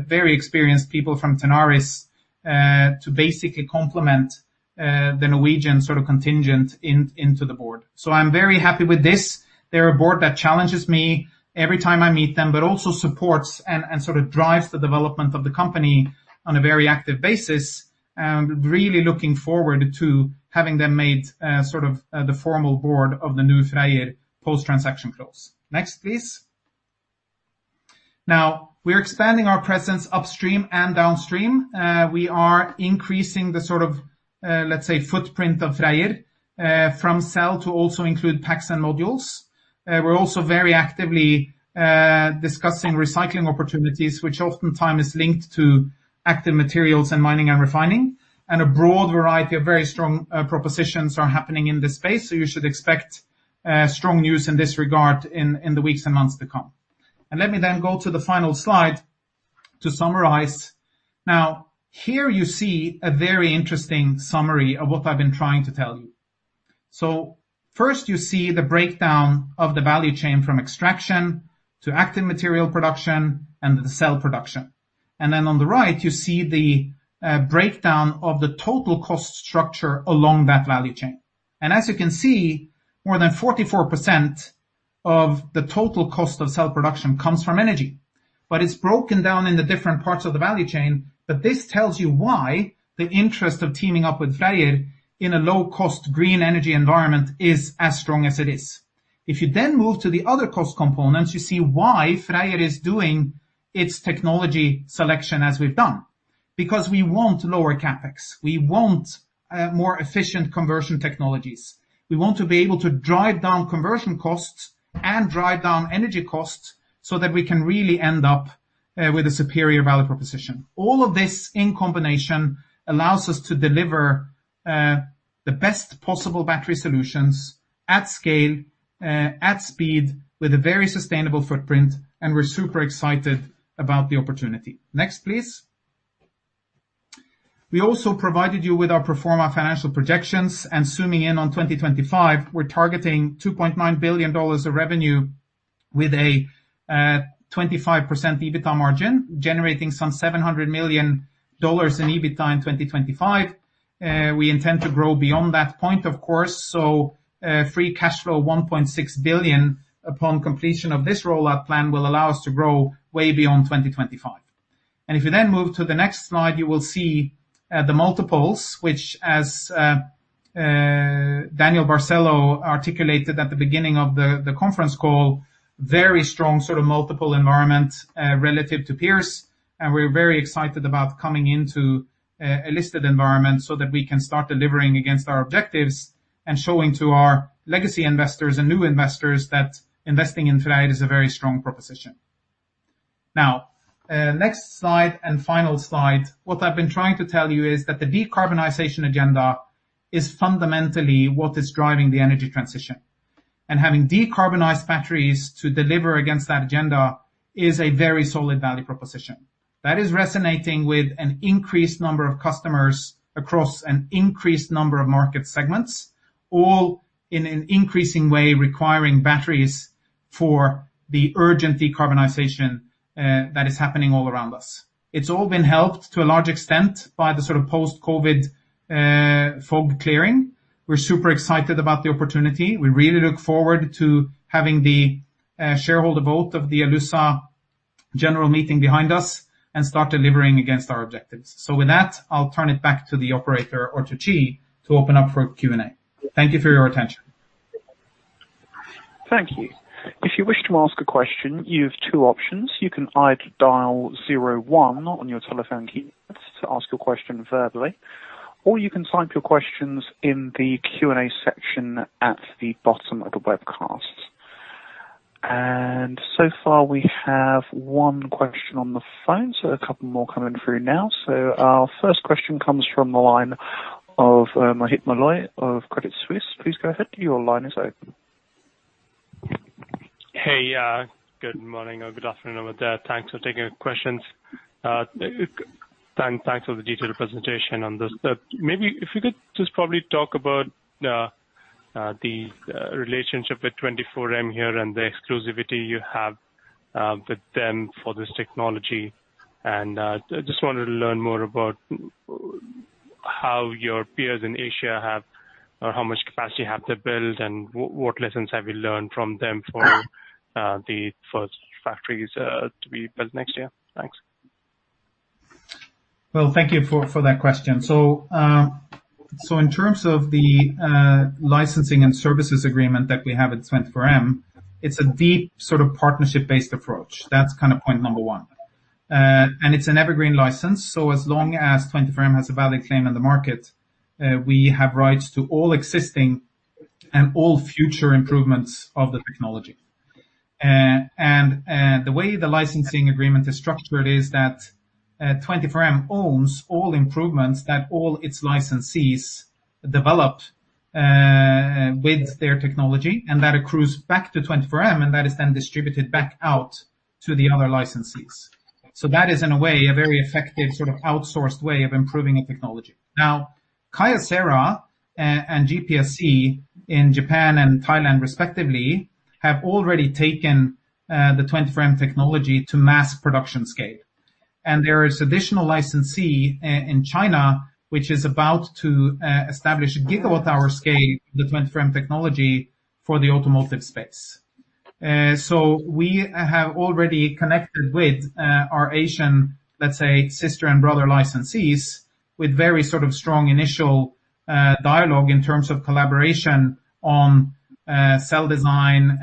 [SPEAKER 5] very experienced people from Tenaris to basically complement the Norwegian contingent into the board. I'm very happy with this. They're a board that challenges me every time I meet them, but also supports and sort of drives the development of the company on a very active basis, and really looking forward to having them made the formal board of the new Freyr post-transaction close. Next, please. Now, we're expanding our presence upstream and downstream. We are increasing the, let's say, footprint of Freyr from cell to also include packs and modules. We're also very actively discussing recycling opportunities, which oftentimes is linked to active materials and mining and refining, and a broad variety of very strong propositions are happening in this space, so you should expect strong news in this regard in the weeks and months to come. Let me then go to the final slide to summarize. Now, here you see a very interesting summary of what I've been trying to tell you. First, you see the breakdown of the value chain from extraction to active material production and the cell production. Then on the right, you see the breakdown of the total cost structure along that value chain. As you can see, more than 44% of the total cost of cell production comes from energy. It's broken down into different parts of the value chain. This tells you why the interest of teaming up with Freyr in a low-cost green energy environment is as strong as it is. If you then move to the other cost components, you see why Freyr is doing its technology selection as we've done. We want lower CapEx, we want more efficient conversion technologies. We want to be able to drive down conversion costs and drive down energy costs so that we can really end up with a superior value proposition. All of this in combination allows us to deliver the best possible battery solutions at scale, at speed, with a very sustainable footprint, and we're super excited about the opportunity. Next, please. We also provided you with our pro forma financial projections. Zooming in on 2025, we're targeting $2.9 billion of revenue with a 25% EBITDA margin, generating some $700 million in EBITDA in 2025. We intend to grow beyond that point, of course. Free cash flow, $1.6 billion upon completion of this rollout plan will allow us to grow way beyond 2025. If you then move to the next slide, you will see the multiples, which as Daniel Barcelo articulated at the beginning of the conference call, very strong multiple environment relative to peers. We're very excited about coming into a listed environment so that we can start delivering against our objectives and showing to our legacy investors and new investors that investing in Freyr is a very strong proposition. Next slide and final slide. What I've been trying to tell you is that the decarbonization agenda is fundamentally what is driving the energy transition. Having decarbonized batteries to deliver against that agenda is a very solid value proposition. That is resonating with an increased number of customers across an increased number of market segments, all in an increasing way requiring batteries for the urgent decarbonization that is happening all around us. It's all been helped to a large extent by the post-COVID fog clearing. We're super excited about the opportunity. We really look forward to having the shareholder vote of the Alussa general meeting behind us and start delivering against our objectives. With that, I'll turn it back to the operator or to Chi to open up for Q&A. Thank you for your attention.
[SPEAKER 1] Thank you. If you wish to ask a question, you have two options. You can either dial 01 on your telephone keypad to ask your question verbally, or you can type your questions in the Q&A section at the bottom of the webcast. So far, we have one question on the phone, a couple more coming through now. Our first question comes from the line of Maheep Mandloi of Credit Suisse. Please go ahead. Your line is open.
[SPEAKER 6] Hey. Good morning or good afternoon over there. Thanks for taking the questions. Thanks for the detailed presentation on this. Maybe if you could just probably talk about the relationship with 24M here and the exclusivity you have with them for this technology, and I just wanted to learn more about how your peers in Asia have, or how much capacity have to build, and what lessons have you learned from them for the first factories to be built next year? Thanks.
[SPEAKER 5] Well, thank you for that question. In terms of the licensing and services agreement that we have with 24M, it's a deep partnership-based approach. That's point number one. It's an evergreen license, as long as 24M has a valid claim in the market, we have rights to all existing and all future improvements of the technology. The way the licensing agreement is structured is that 24M owns all improvements that all its licensees developed with their technology, and that accrues back to 24M, and that is then distributed back out to the other licensees. That is, in a way, a very effective outsourced way of improving the technology. Now, Kyocera and GPSC in Japan and Thailand respectively, have already taken the 24M technology to mass production scale. There is additional licensee in China, which is about to establish a gigawatt-hour scale with 24M technology for the automotive space. We have already connected with our Asian, let's say, sister and brother licensees with very strong initial dialogue in terms of collaboration on cell design,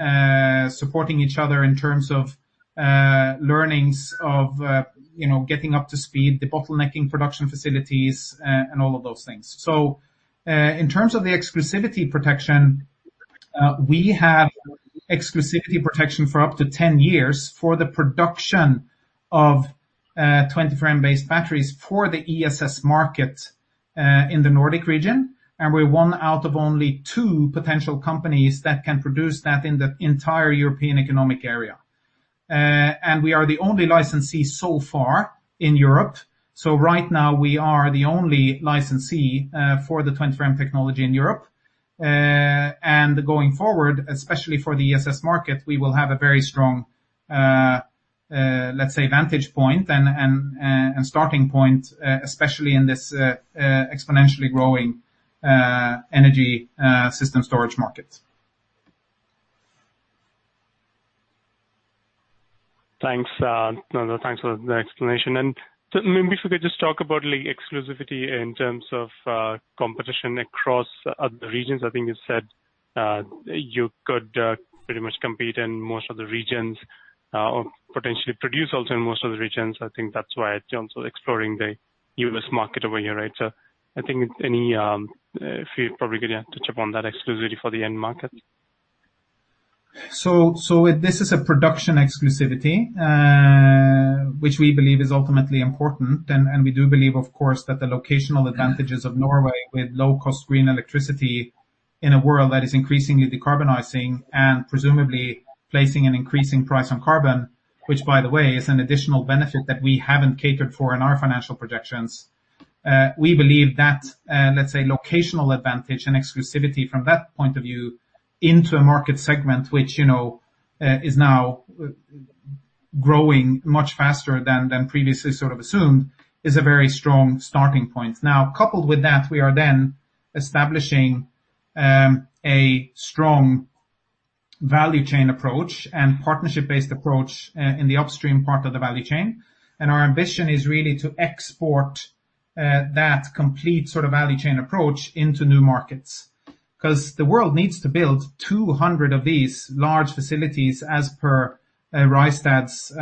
[SPEAKER 5] supporting each other in terms of learnings of getting up to speed, debottlenecking production facilities, and all of those things. In terms of the exclusivity protection, we have exclusivity protection for up to 10 years for the production of 24M based batteries for the ESS market in the Nordic region, and we're one out of only two potential companies that can produce that in the entire European Economic Area. We are the only licensee so far in Europe, so right now we are the only licensee for the 24M technology in Europe. Going forward, especially for the ESS market, we will have a very strong, let's say, vantage point and starting point, especially in this exponentially growing energy system storage market.
[SPEAKER 6] Thanks, Tom. Thanks for the explanation. Maybe if we could just talk about exclusivity in terms of competition across other regions. I think you said you could pretty much compete in most of the regions or potentially produce also in most of the regions. I think that's why you're also exploring the U.S. market over here, right? I think if you're probably going to touch upon that exclusivity for the end market.
[SPEAKER 5] This is a production exclusivity, which we believe is ultimately important. We do believe, of course, that the locational advantages of Norway with low-cost green electricity in a world that is increasingly decarbonizing and presumably placing an increasing price on carbon, which, by the way, is an additional benefit that we haven't catered for in our financial projections. We believe that, let's say, locational advantage and exclusivity from that point of view into a market segment which is now growing much faster than previously assumed, is a very strong starting point. Coupled with that, we are establishing a strong value chain approach and partnership-based approach in the upstream part of the value chain. Our ambition is really to export that complete value chain approach into new markets. The world needs to build 200 of these large facilities, as per Rystad's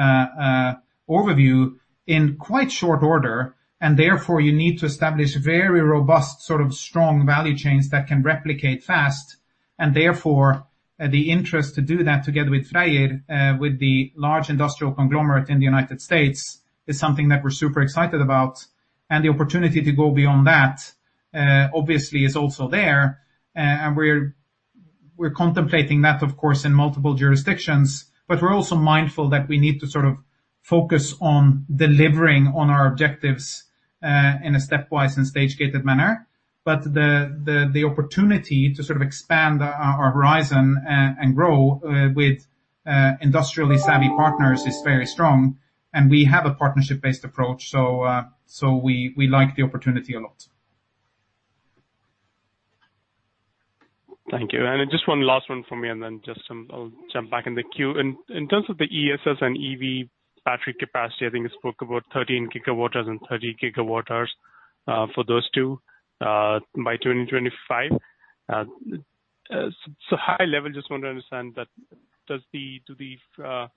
[SPEAKER 5] overview, in quite short order, and therefore you need to establish very robust, strong value chains that can replicate fast, and therefore the interest to do that together with Freyr, with the large industrial conglomerate in the U.S., is something that we're super excited about. The opportunity to go beyond that, obviously, is also there, and we're contemplating that, of course, in multiple jurisdictions. We're also mindful that we need to focus on delivering on our objectives in a stepwise and stage-gated manner. The opportunity to expand our horizon and grow with industrially savvy partners is very strong, and we have a partnership-based approach. We like the opportunity a lot.
[SPEAKER 6] Thank you. Just one last one from me, then I'll jump back in the queue. In terms of the ESS and EV battery capacity, I think you spoke about 13 GW and 30 GW for those two by 2025. High level, just want to understand that, are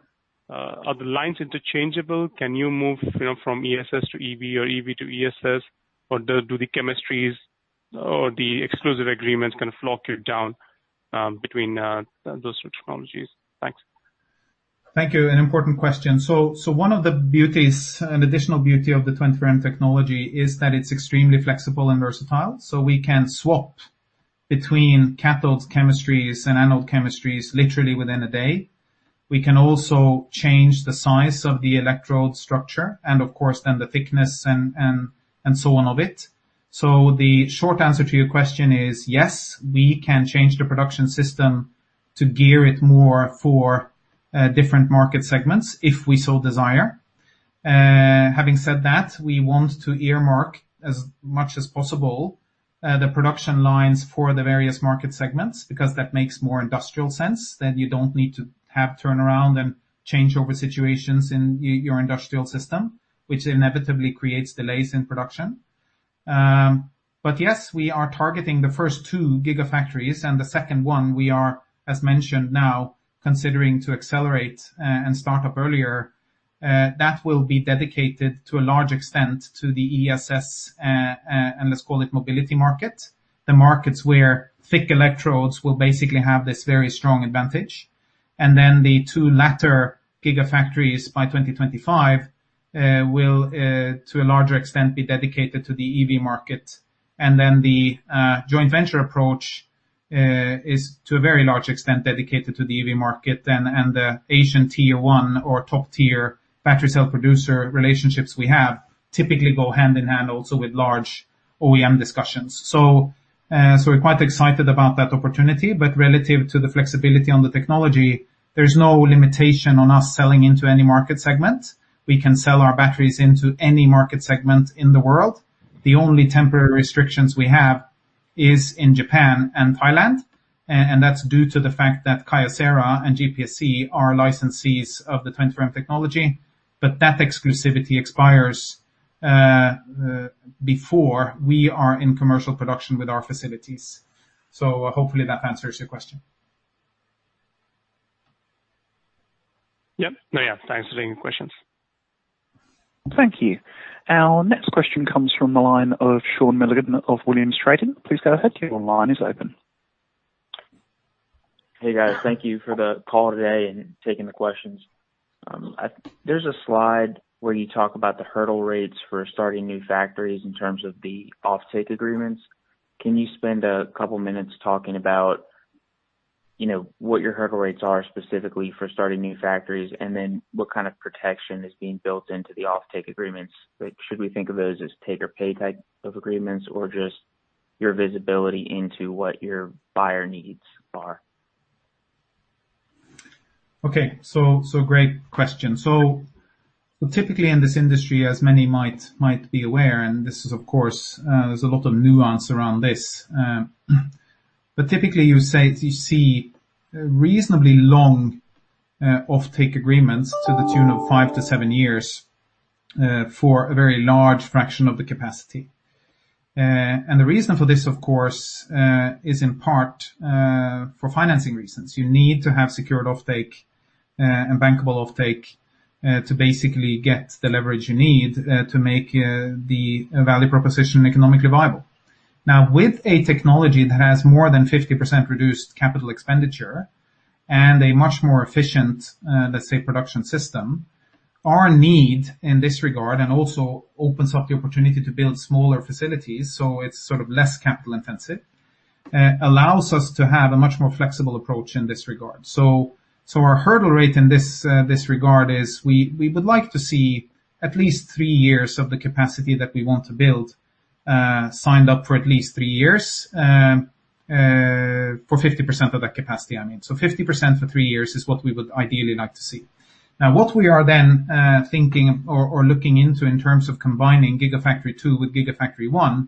[SPEAKER 6] the lines interchangeable? Can you move from ESS to EV or EV to ESS, or do the chemistries or the exclusive agreements kind of lock you down between those two technologies? Thanks.
[SPEAKER 5] Thank you. An important question. One of the beauties and additional beauty of the 24M technology is that it's extremely flexible and versatile, so we can swap between cathode chemistries and anode chemistries literally within a day. We can also change the size of the electrode structure and, of course, then the thickness and so on of it. The short answer to your question is yes, we can change the production system to gear it more for different market segments if we so desire. Having said that, we want to earmark as much as possible the production lines for the various market segments because that makes more industrial sense. You don't need to have turnaround and changeover situations in your industrial system, which inevitably creates delays in production. Yes, we are targeting the first two gigafactories, and the second one we are, as mentioned now, considering to accelerate and start up earlier. That will be dedicated to a large extent to the ESS, and let's call it mobility market, the markets where thick electrodes will basically have this very strong advantage. The two latter gigafactories by 2025 will to a larger extent be dedicated to the EV market. The joint venture approach is to a very large extent dedicated to the EV market then, and the Asian tier one or top-tier battery cell producer relationships we have typically go hand-in-hand also with large OEM discussions. We're quite excited about that opportunity. Relative to the flexibility on the technology, there's no limitation on us selling into any market segment. We can sell our batteries into any market segment in the world. The only temporary restrictions we have is in Japan and Thailand, and that's due to the fact that Kyocera and GPSC are licensees of the 24M technology. That exclusivity expires before we are in commercial production with our facilities. Hopefully that answers your question.
[SPEAKER 6] Yep. No, yeah. Thanks for taking the questions.
[SPEAKER 1] Thank you. Our next question comes from the line of Sean Milligan of Williams Trading. Please go ahead. Your line is open.
[SPEAKER 7] Hey, guys. Thank you for the call today and taking the questions. There is a slide where you talk about the hurdle rates for starting new factories in terms of the offtake agreements. Can you spend two minutes talking about what your hurdle rates are specifically for starting new factories, and then what kind of protection is being built into the offtake agreements? Should we think of those as take or pay type of agreements or just your visibility into what your buyer needs are?
[SPEAKER 5] Okay. Great question. Typically in this industry, as many might be aware, and this is of course, there's a lot of nuance around this. Typically you see reasonably long offtake agreements to the tune of five-seven years, for a very large fraction of the capacity. The reason for this, of course, is in part for financing reasons. You need to have secured offtake and bankable offtake to basically get the leverage you need to make the value proposition economically viable. With a technology that has more than 50% reduced CapEx and a much more efficient, let's say, production system, our need in this regard and also opens up the opportunity to build smaller facilities, so it's sort of less capital intensive, allows us to have a much more flexible approach in this regard. Our hurdle rate in this regard is we would like to see at least three years of the capacity that we want to build, signed up for at least three years, for 50% of that capacity, I mean. 50% for three years is what we would ideally like to see. What we are then thinking or looking into in terms of combining Gigafactory 2 with Gigafactory 1,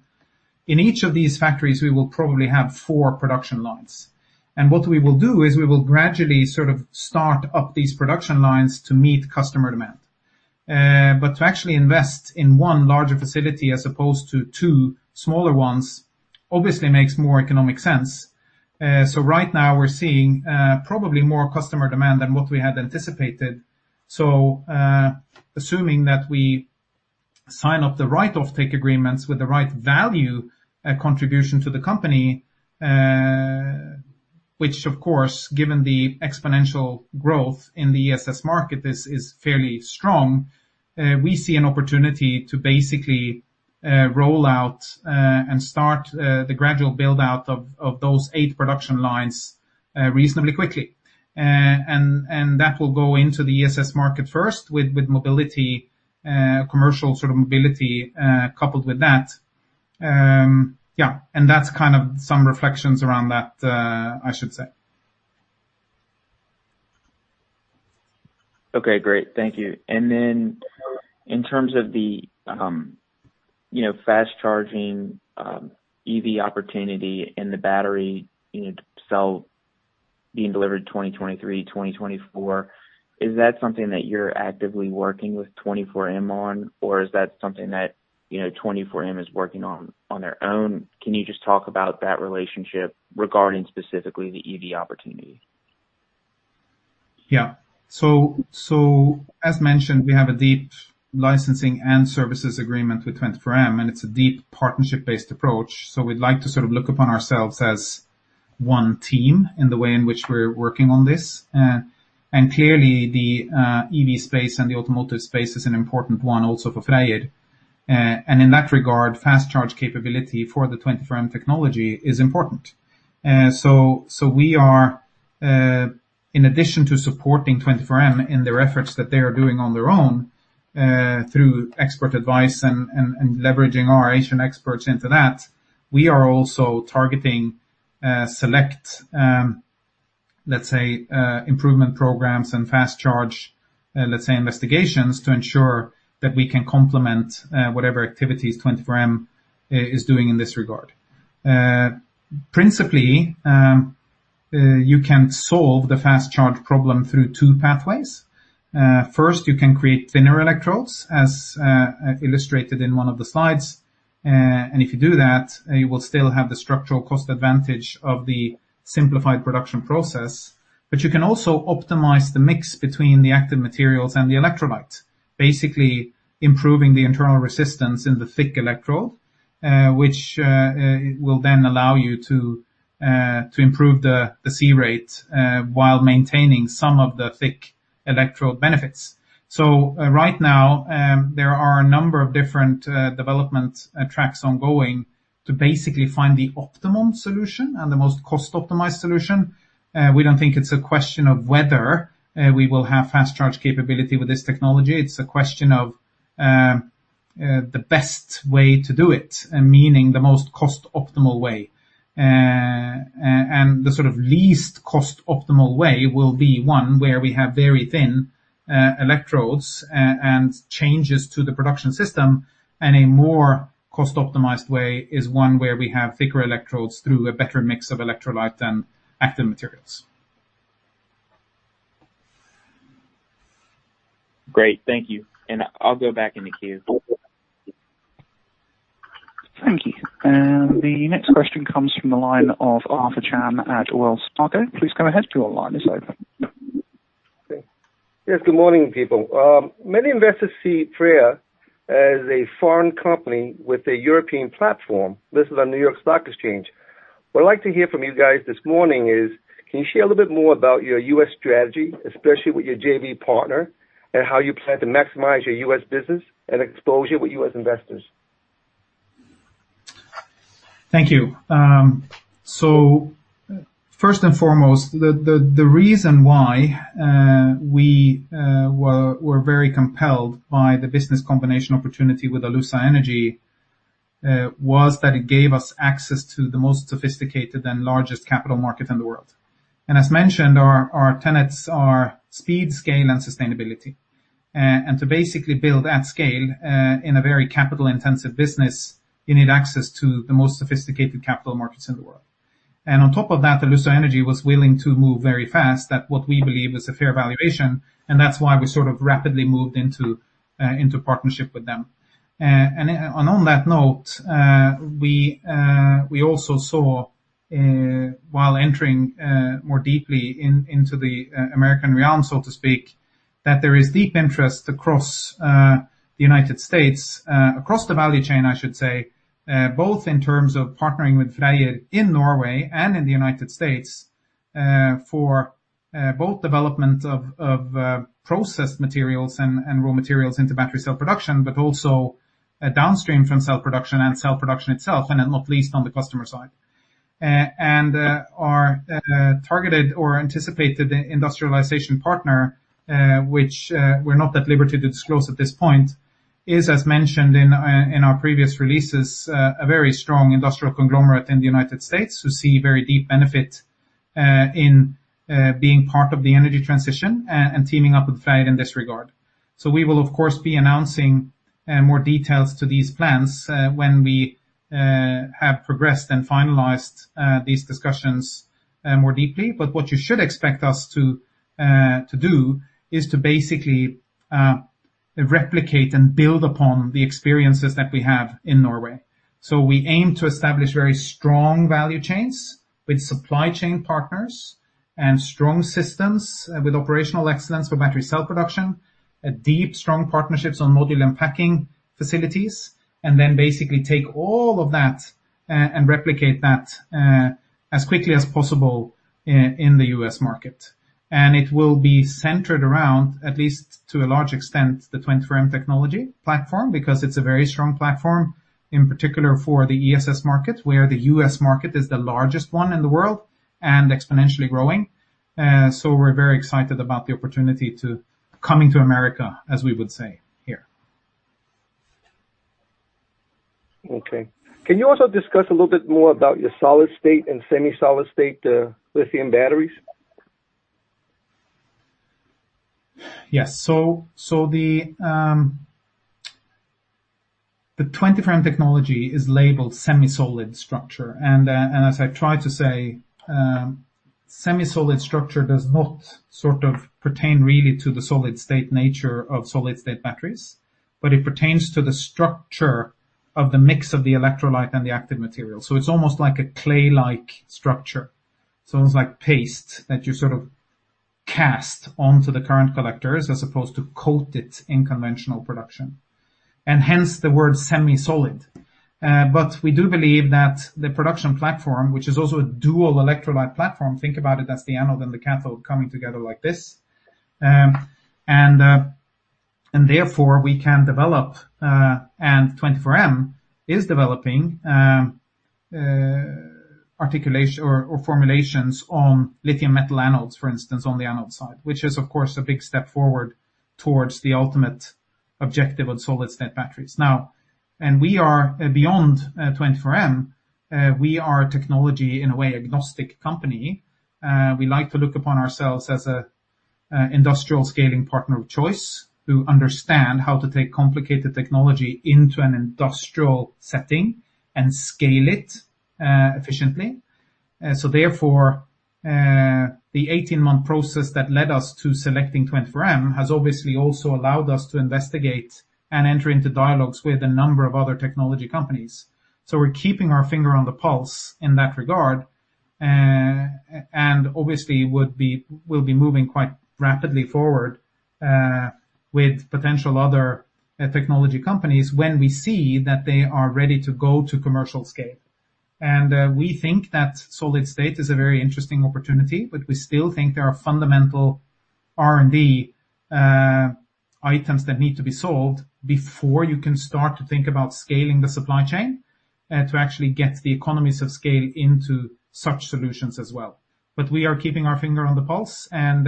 [SPEAKER 5] in each of these factories, we will probably have four production lines. What we will do is we will gradually sort of start up these production lines to meet customer demand. To actually invest in one larger facility as opposed to two smaller ones obviously makes more economic sense. Right now we're seeing probably more customer demand than what we had anticipated. Assuming that we sign up the right offtake agreements with the right value contribution to the company, which of course, given the exponential growth in the ESS market is fairly strong, we see an opportunity to basically roll out and start the gradual build-out of those eight production lines reasonably quickly. And that will go into the ESS market first with mobility, commercial sort of mobility coupled with that. Yeah, that's kind of some reflections around that, I should say.
[SPEAKER 7] Okay, great. Thank you. In terms of the fast charging EV opportunity and the battery cell being delivered 2023, 2024, is that something that you're actively working with 24M on, or is that something that 24M is working on on their own? Can you just talk about that relationship regarding specifically the EV opportunity?
[SPEAKER 5] As mentioned, we have a deep licensing and services agreement with 24M, and it's a deep partnership-based approach. We'd like to sort of look upon ourselves as one team in the way in which we're working on this. Clearly the EV space and the automotive space is an important one also for Freyr. In that regard, fast charge capability for the 24M technology is important. We are, in addition to supporting 24M in their efforts that they are doing on their own through expert advice and leveraging our Asian experts into that, we are also targeting select, let's say, improvement programs and fast charge investigations to ensure that we can complement whatever activities 24M is doing in this regard. Principally, you can solve the fast charge problem through two pathways. First, you can create thinner electrodes, as illustrated in one of the slides. If you do that, you will still have the structural cost advantage of the simplified production process. You can also optimize the mix between the active materials and the electrolyte, basically improving the internal resistance in the thick electrode, which will then allow you to improve the C-rates while maintaining some of the thick electrode benefits. Right now, there are a number of different development tracks ongoing to basically find the optimum solution and the most cost-optimized solution. We don't think it's a question of whether we will have fast charge capability with this technology. It's a question of the best way to do it, meaning the most cost optimal way. The sort of least cost optimal way will be one where we have very thin electrodes and changes to the production system. A more cost optimized way is one where we have thicker electrodes through a better mix of electrolyte and active materials.
[SPEAKER 7] Great. Thank you. I'll go back in the queue.
[SPEAKER 1] Thank you. The next question comes from the line of Arthur Chan at Wells Fargo. Please go ahead. Your line is open.
[SPEAKER 8] Okay. Yes, good morning, people. Many investors see Freyr as a foreign company with a European platform listed on New York Stock Exchange. What I'd like to hear from you guys this morning is, can you share a little bit more about your U.S. strategy, especially with your JV partner, and how you plan to maximize your U.S. business and exposure with U.S. investors?
[SPEAKER 5] Thank you. First and foremost, the reason why we were very compelled by the business combination opportunity with Alussa Energy, was that it gave us access to the most sophisticated and largest capital market in the world. As mentioned, our tenets are speed, scale and sustainability. To basically build at scale, in a very capital-intensive business, you need access to the most sophisticated capital markets in the world. On top of that, Alussa Energy was willing to move very fast at what we believe is a fair valuation, and that's why we sort of rapidly moved into partnership with them. On that note, we also saw, while entering more deeply into the American realm, so to speak, that there is deep interest across the United States, across the value chain, I should say, both in terms of partnering with Freyr in Norway and in the United States for both development of processed materials and raw materials into battery cell production. Also downstream from cell production and cell production itself, and not least on the customer side. Our targeted or anticipated industrialization partner, which we're not at liberty to disclose at this point, is, as mentioned in our previous releases, a very strong industrial conglomerate in the United States who see very deep benefit in being part of the energy transition and teaming up with Freyr in this regard. We will, of course, be announcing more details to these plans when we have progressed and finalized these discussions more deeply. What you should expect us to do is to basically replicate and build upon the experiences that we have in Norway. We aim to establish very strong value chains with supply chain partners and strong systems with operational excellence for battery cell production, deep, strong partnerships on module and packing facilities, and then basically take all of that and replicate that as quickly as possible in the U.S. market. It will be centered around, at least to a large extent, the 24M technology platform, because it's a very strong platform, in particular for the ESS market, where the U.S. market is the largest one in the world and exponentially growing. We're very excited about the opportunity to coming to America, as we would say here.
[SPEAKER 8] Okay. Can you also discuss a little bit more about your solid-state and semi-solid-state lithium batteries?
[SPEAKER 5] Yes. The 24M technology is labeled semi-solid structure. As I've tried to say, semi-solid structure does not sort of pertain really to the solid-state nature of solid-state batteries, but it pertains to the structure of the mix of the electrolyte and the active material. It's almost like a clay-like structure. It's almost like paste that you sort of cast onto the current collectors as opposed to coat it in conventional production, hence the word semi-solid. We do believe that the production platform, which is also a dual electrolyte platform, think about it as the anode and the cathode coming together like this. Therefore, we can develop, and 24M is developing articulation or formulations on lithium-metal anodes, for instance, on the anode side, which is, of course, a big step forward towards the ultimate objective of solid-state batteries. Now, we are beyond 24M, we are a technology, in a way, agnostic company. We like to look upon ourselves as a industrial scaling partner of choice who understand how to take complicated technology into an industrial setting and scale it efficiently. Therefore, the 18-month process that led us to selecting 24M has obviously also allowed us to investigate and enter into dialogues with a number of other technology companies. We're keeping our finger on the pulse in that regard. Obviously, we'll be moving quite rapidly forward, with potential other technology companies when we see that they are ready to go to commercial scale. We think that solid-state is a very interesting opportunity, but we still think there are fundamental R&D items that need to be solved before you can start to think about scaling the supply chain to actually get the economies of scale into such solutions as well. We are keeping our finger on the pulse and,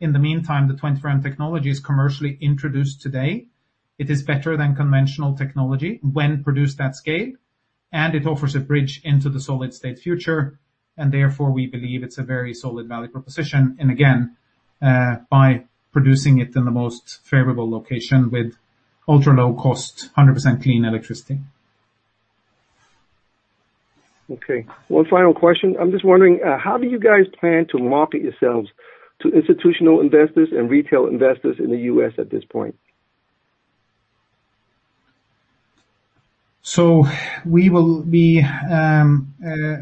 [SPEAKER 5] in the meantime, the 24M technology is commercially introduced today. It is better than conventional technology when produced at scale, and it offers a bridge into the solid-state future, and therefore, we believe it's a very solid value proposition, and again, by producing it in the most favorable location with ultra-low cost, 100% clean electricity.
[SPEAKER 8] Okay. One final question. I'm just wondering, how do you guys plan to market yourselves to institutional investors and retail investors in the U.S. at this point?
[SPEAKER 5] We will be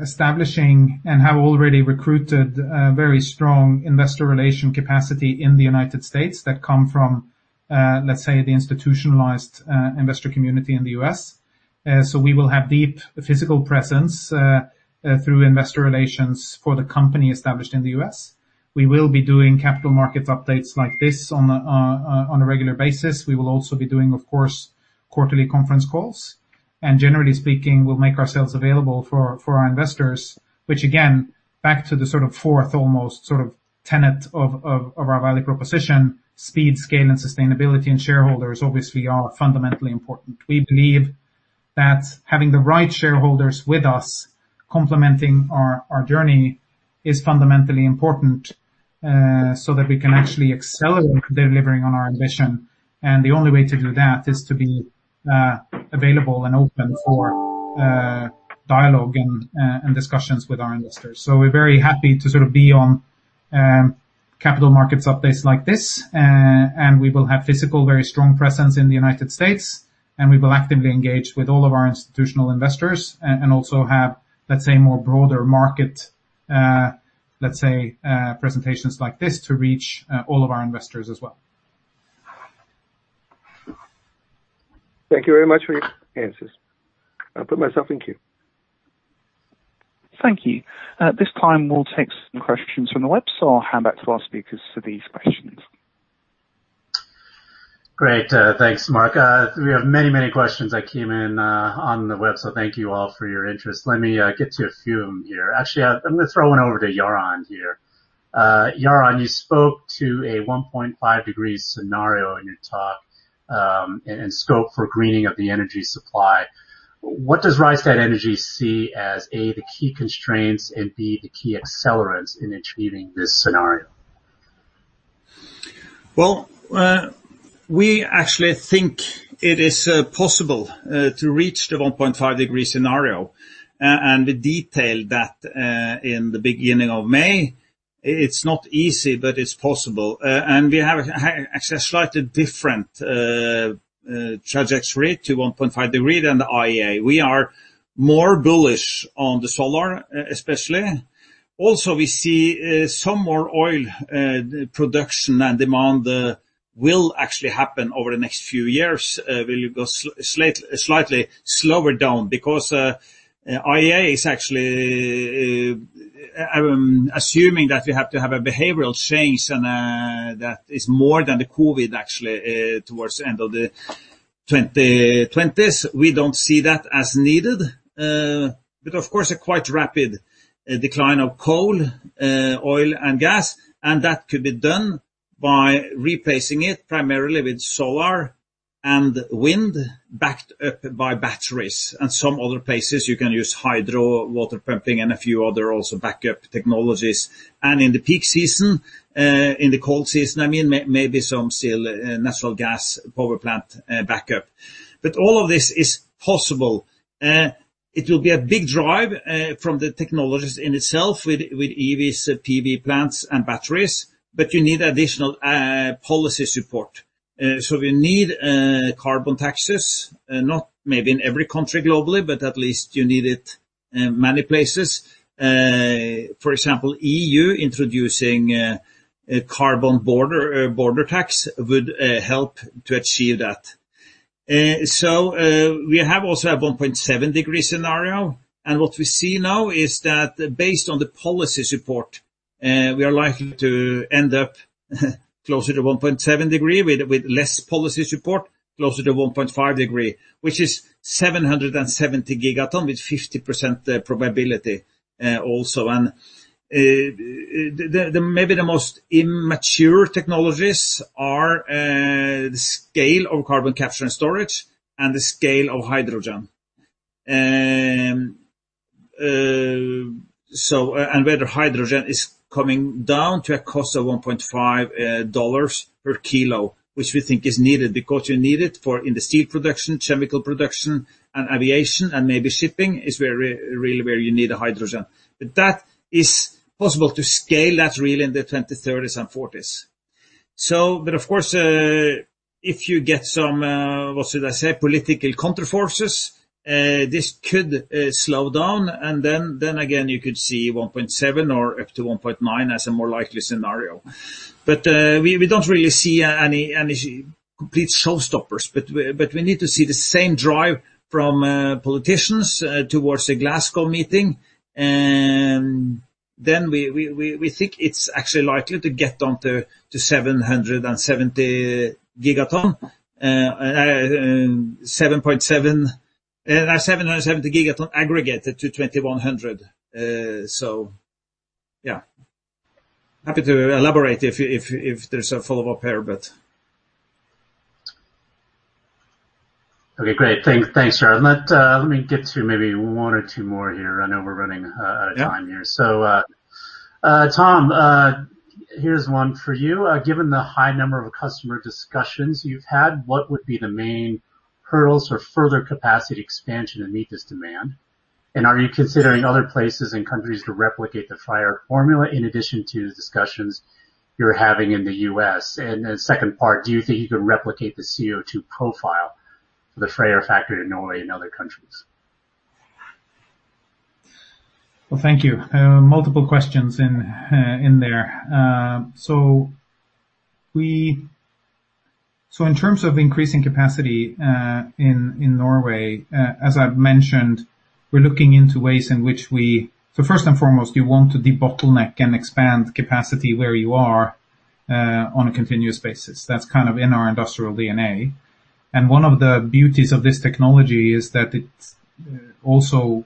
[SPEAKER 5] establishing and have already recruited a very strong investor relation capacity in the United States that come from, let's say, the institutionalized investor community in the U.S. We will have deep physical presence through investor relations for the company established in the U.S. We will be doing capital market updates like this on a regular basis. We will also be doing, of course, quarterly conference calls. Generally speaking, we'll make ourselves available for our investors. Again, back to the fourth almost tenet of our value proposition, speed, scale, and sustainability, and shareholders obviously are fundamentally important. We believe that having the right shareholders with us complementing our journey is fundamentally important so that we can actually accelerate delivering on our ambition. The only way to do that is to be available and open for dialogue and discussions with our investors. We're very happy to be on capital markets updates like this, and we will have physical, very strong presence in the United States, and we will actively engage with all of our institutional investors and also have, let's say, more broader market presentations like this to reach all of our investors as well.
[SPEAKER 8] Thank you very much for your answers. I'll put myself in queue.
[SPEAKER 1] Thank you. At this time, we'll take some questions from the web. I'll hand back to our speakers for these questions.
[SPEAKER 2] Great. Thanks, Mark. We have many questions that came in on the web. Thank you all for your interest. Let me get to a few here. Actually, I'm going to throw one over to Jarand here. Jarand, you spoke to a 1.5 degrees scenario in your talk and scope for greening of the energy supply. What does Rystad Energy see as, A, the key constraints and B, the key accelerants in achieving this scenario?
[SPEAKER 4] Well, we actually think it is possible to reach the 1.5 degree scenario and detailed that in the beginning of May. It's not easy, but it's possible. We have actually a slightly different trajectory to 1.5 degree than the IEA. We are more bullish on the solar, especially. Also, we see some more oil production and demand will actually happen over the next few years. Will go slightly slower down because IEA is actually assuming that you have to have a behavioral change, and that is more than the COVID actually towards the end of the 2020s. We don't see that as needed. Of course, a quite rapid decline of coal, oil, and gas. That could be done by replacing it primarily with solar and wind backed up by batteries and some other places you can use hydro, water pumping, and a few other also backup technologies. In the peak season, in the cold season, maybe some still natural gas power plant backup. All of this is possible. It will be a big drive from the technologies in itself with EVs, PV plants, and batteries, but you need additional policy support. We need carbon taxes, not maybe in every country globally, but at least you need it in many places. For example, EU introducing a carbon border tax would help to achieve that. We have also a 1.7 degree scenario, and what we see now is that based on the policy support, we are likely to end up closer to 1.7 degree with less policy support closer to 1.5 degree, which is 770 gigaton with 50% probability also. Maybe the most immature technologies are the scale of carbon capture and storage and the scale of hydrogen. Where the hydrogen is coming down to a cost of $1.5 per kilo, which we think is needed because you need it for in the steel production, chemical production, and aviation, and maybe shipping is really where you need the hydrogen. That is possible to scale that really in the 2030s and '40s. Of course, if you get some, what's it I say, political counterforces, this could slow down and then again, you could see $1.7 or up to $1.9 as a more likely scenario. We don't really see any complete showstoppers. We need to see the same drive from politicians towards the Glasgow meeting, and then we think it's actually likely to get down to 770 gigaton aggregated to 2100. Yeah. Happy to elaborate if there's a follow-up here.
[SPEAKER 2] Okay, great. Thanks, Jarand. Let me get to maybe one or two more here. I know we're running out of time here.
[SPEAKER 4] Yeah.
[SPEAKER 2] Tom, here's one for you. Given the high number of customer discussions you've had, what would be the main hurdles for further capacity expansion to meet this demand? Are you considering other places and countries to replicate the Freyr formula in addition to the discussions you're having in the U.S.? The second part, do you think you can replicate the CO2 profile for the Freyr factory in Norway in other countries?
[SPEAKER 5] Well, thank you. Multiple questions in there. In terms of increasing capacity in Norway, as I've mentioned, we're looking into ways in which first and foremost, you want to debottleneck and expand capacity where you are on a continuous basis. That's kind of in our industrial DNA. One of the beauties of this technology is that it's also,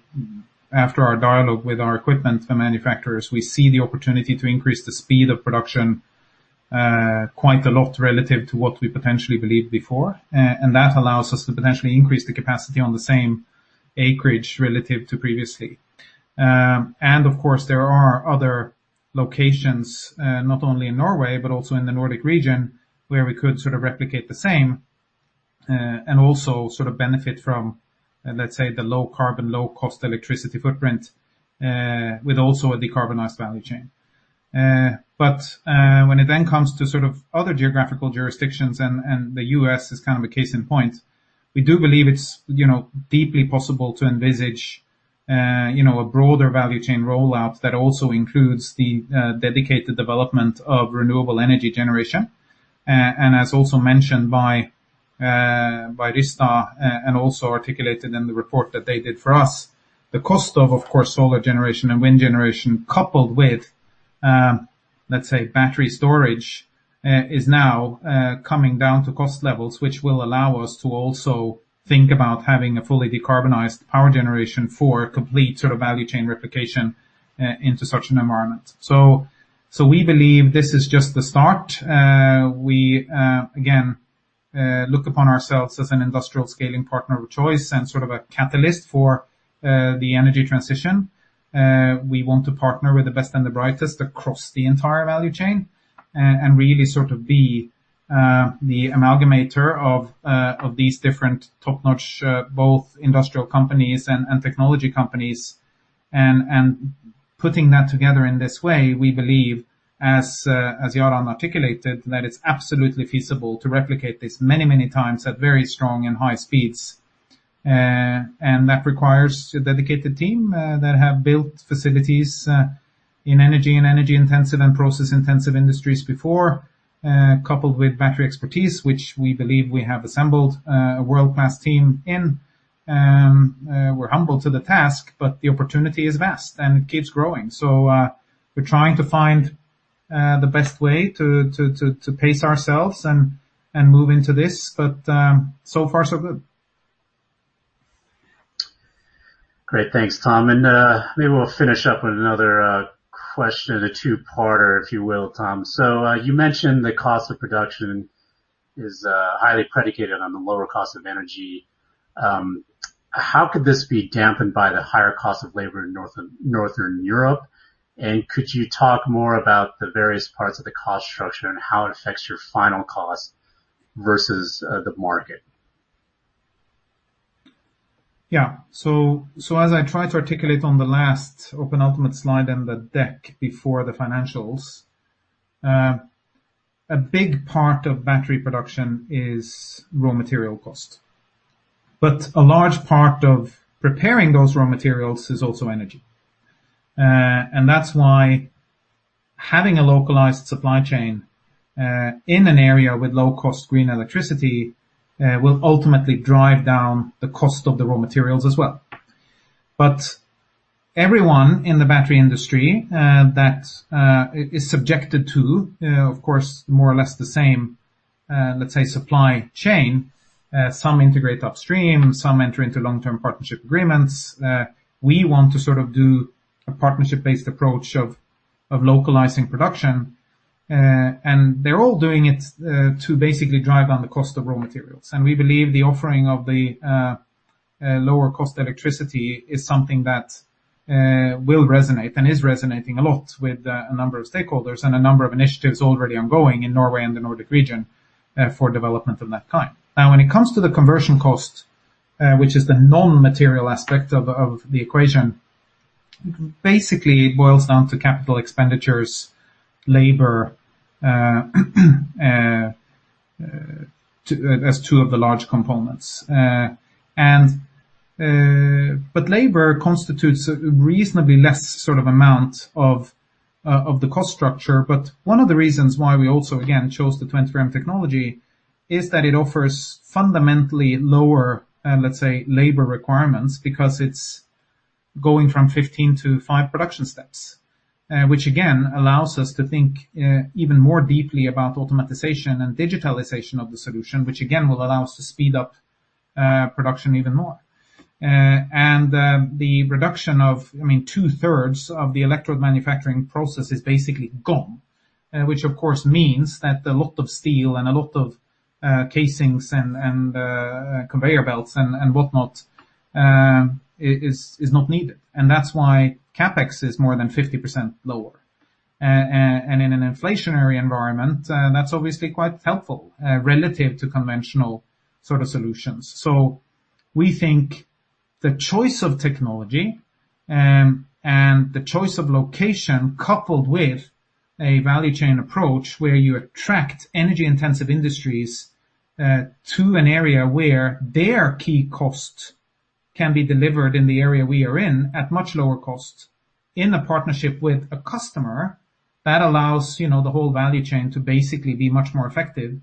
[SPEAKER 5] after our dialogue with our equipment manufacturers, we see the opportunity to increase the speed of production quite a lot relative to what we potentially believed before. That allows us to potentially increase the capacity on the same acreage relative to previously. Of course, there are other locations, not only in Norway but also in the Nordic region, where we could sort of replicate the same, and also sort of benefit from, let's say, the low carbon, low cost electricity footprint, with also a decarbonized value chain. When it then comes to sort of other geographical jurisdictions, and the U.S. is kind of a case in point, we do believe it's deeply possible to envisage a broader value chain rollout that also includes the dedicated development of renewable energy generation. As also mentioned by Rystad, and also articulated in the report that they did for us, the cost of course, solar generation and wind generation coupled with, let's say, battery storage, is now coming down to cost levels, which will allow us to also think about having a fully decarbonized power generation for complete value chain replication into such an environment. We believe this is just the start. We, again, look upon ourselves as an industrial scaling partner of choice and sort of a catalyst for the energy transition. We want to partner with the best and the brightest across the entire value chain and really sort of be the amalgamator of these different top-notch, both industrial companies and technology companies. Putting that together in this way, we believe, as Jarand articulated, that it's absolutely feasible to replicate this many times at very strong and high speeds. That requires a dedicated team that have built facilities in energy and energy-intensive and process-intensive industries before, coupled with battery expertise, which we believe we have assembled a world-class team in. We're humble to the task, but the opportunity is vast, and it keeps growing. We're trying to find the best way to pace ourselves and move into this. So far, so good.
[SPEAKER 2] Great. Thanks, Tom. Maybe we'll finish up with another question, a two-parter, if you will, Tom. You mentioned the cost of production is highly predicated on the lower cost of energy. How could this be dampened by the higher cost of labor in Northern Europe? Could you talk more about the various parts of the cost structure and how it affects your final cost versus the market?
[SPEAKER 5] Yeah. As I tried to articulate on the last penultimate slide in the deck before the financials, a big part of battery production is raw material cost. A large part of preparing those raw materials is also energy. That's why having a localized supply chain, in an area with low cost green electricity will ultimately drive down the cost of the raw materials as well. Everyone in the battery industry that is subjected to, of course, more or less the same, let's say, supply chain, some integrate upstream, some enter into long-term partnership agreements. We want to sort of do a partnership-based approach of localizing production. They're all doing it to basically drive down the cost of raw materials. We believe the offering of the lower cost electricity is something that will resonate and is resonating a lot with a number of stakeholders and a number of initiatives already ongoing in Norway and the Nordic region for development of that kind. When it comes to the conversion cost, which is the non-material aspect of the equation, basically it boils down to capital expenditures, labor as two of the large components. Labor constitutes a reasonably less amount of the cost structure. One of the reasons why we also, again, chose the 24M technology is that it offers fundamentally lower, let's say, labor requirements because it's going from 15 to five production steps. Which again, allows us to think even more deeply about automatization and digitalization of the solution, which again will allow us to speed up production even more. The reduction of two-thirds of the electrode manufacturing process is basically gone, which of course means that a lot of steel and a lot of casings and conveyor belts and whatnot is not needed. That's why CapEx is more than 50% lower. In an inflationary environment, that's obviously quite helpful relative to conventional sort of solutions. We think the choice of technology and the choice of location coupled with a value chain approach where you attract energy-intensive industries to an area where their key costs can be delivered in the area we are in at much lower cost in a partnership with a customer, that allows the whole value chain to basically be much more effective.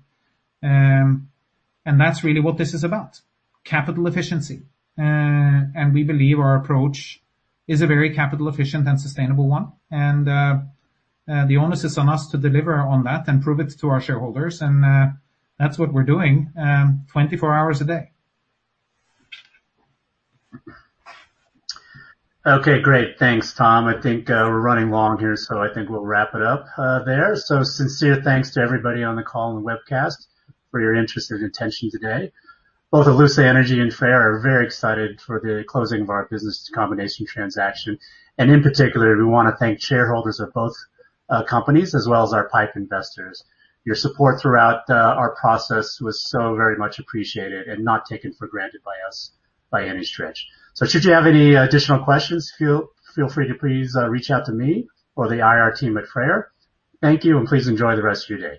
[SPEAKER 5] That's really what this is about, capital efficiency. We believe our approach is a very capital efficient and sustainable one. The onus is on us to deliver on that and prove it to our shareholders. That's what we're doing 24 hours a day.
[SPEAKER 2] Okay, great. Thanks, Tom. I think we're running long here, so I think we'll wrap it up there. Sincere thanks to everybody on the call and webcast for your interest and attention today. Both Alussa Energy and Freyr are very excited for the closing of our business combination transaction. In particular, we want to thank shareholders of both companies as well as our PIPE investors. Your support throughout our process was so very much appreciated and not taken for granted by us by any stretch. Should you have any additional questions, feel free to please reach out to me or the IR team at Freyr. Thank you, and please enjoy the rest of your day.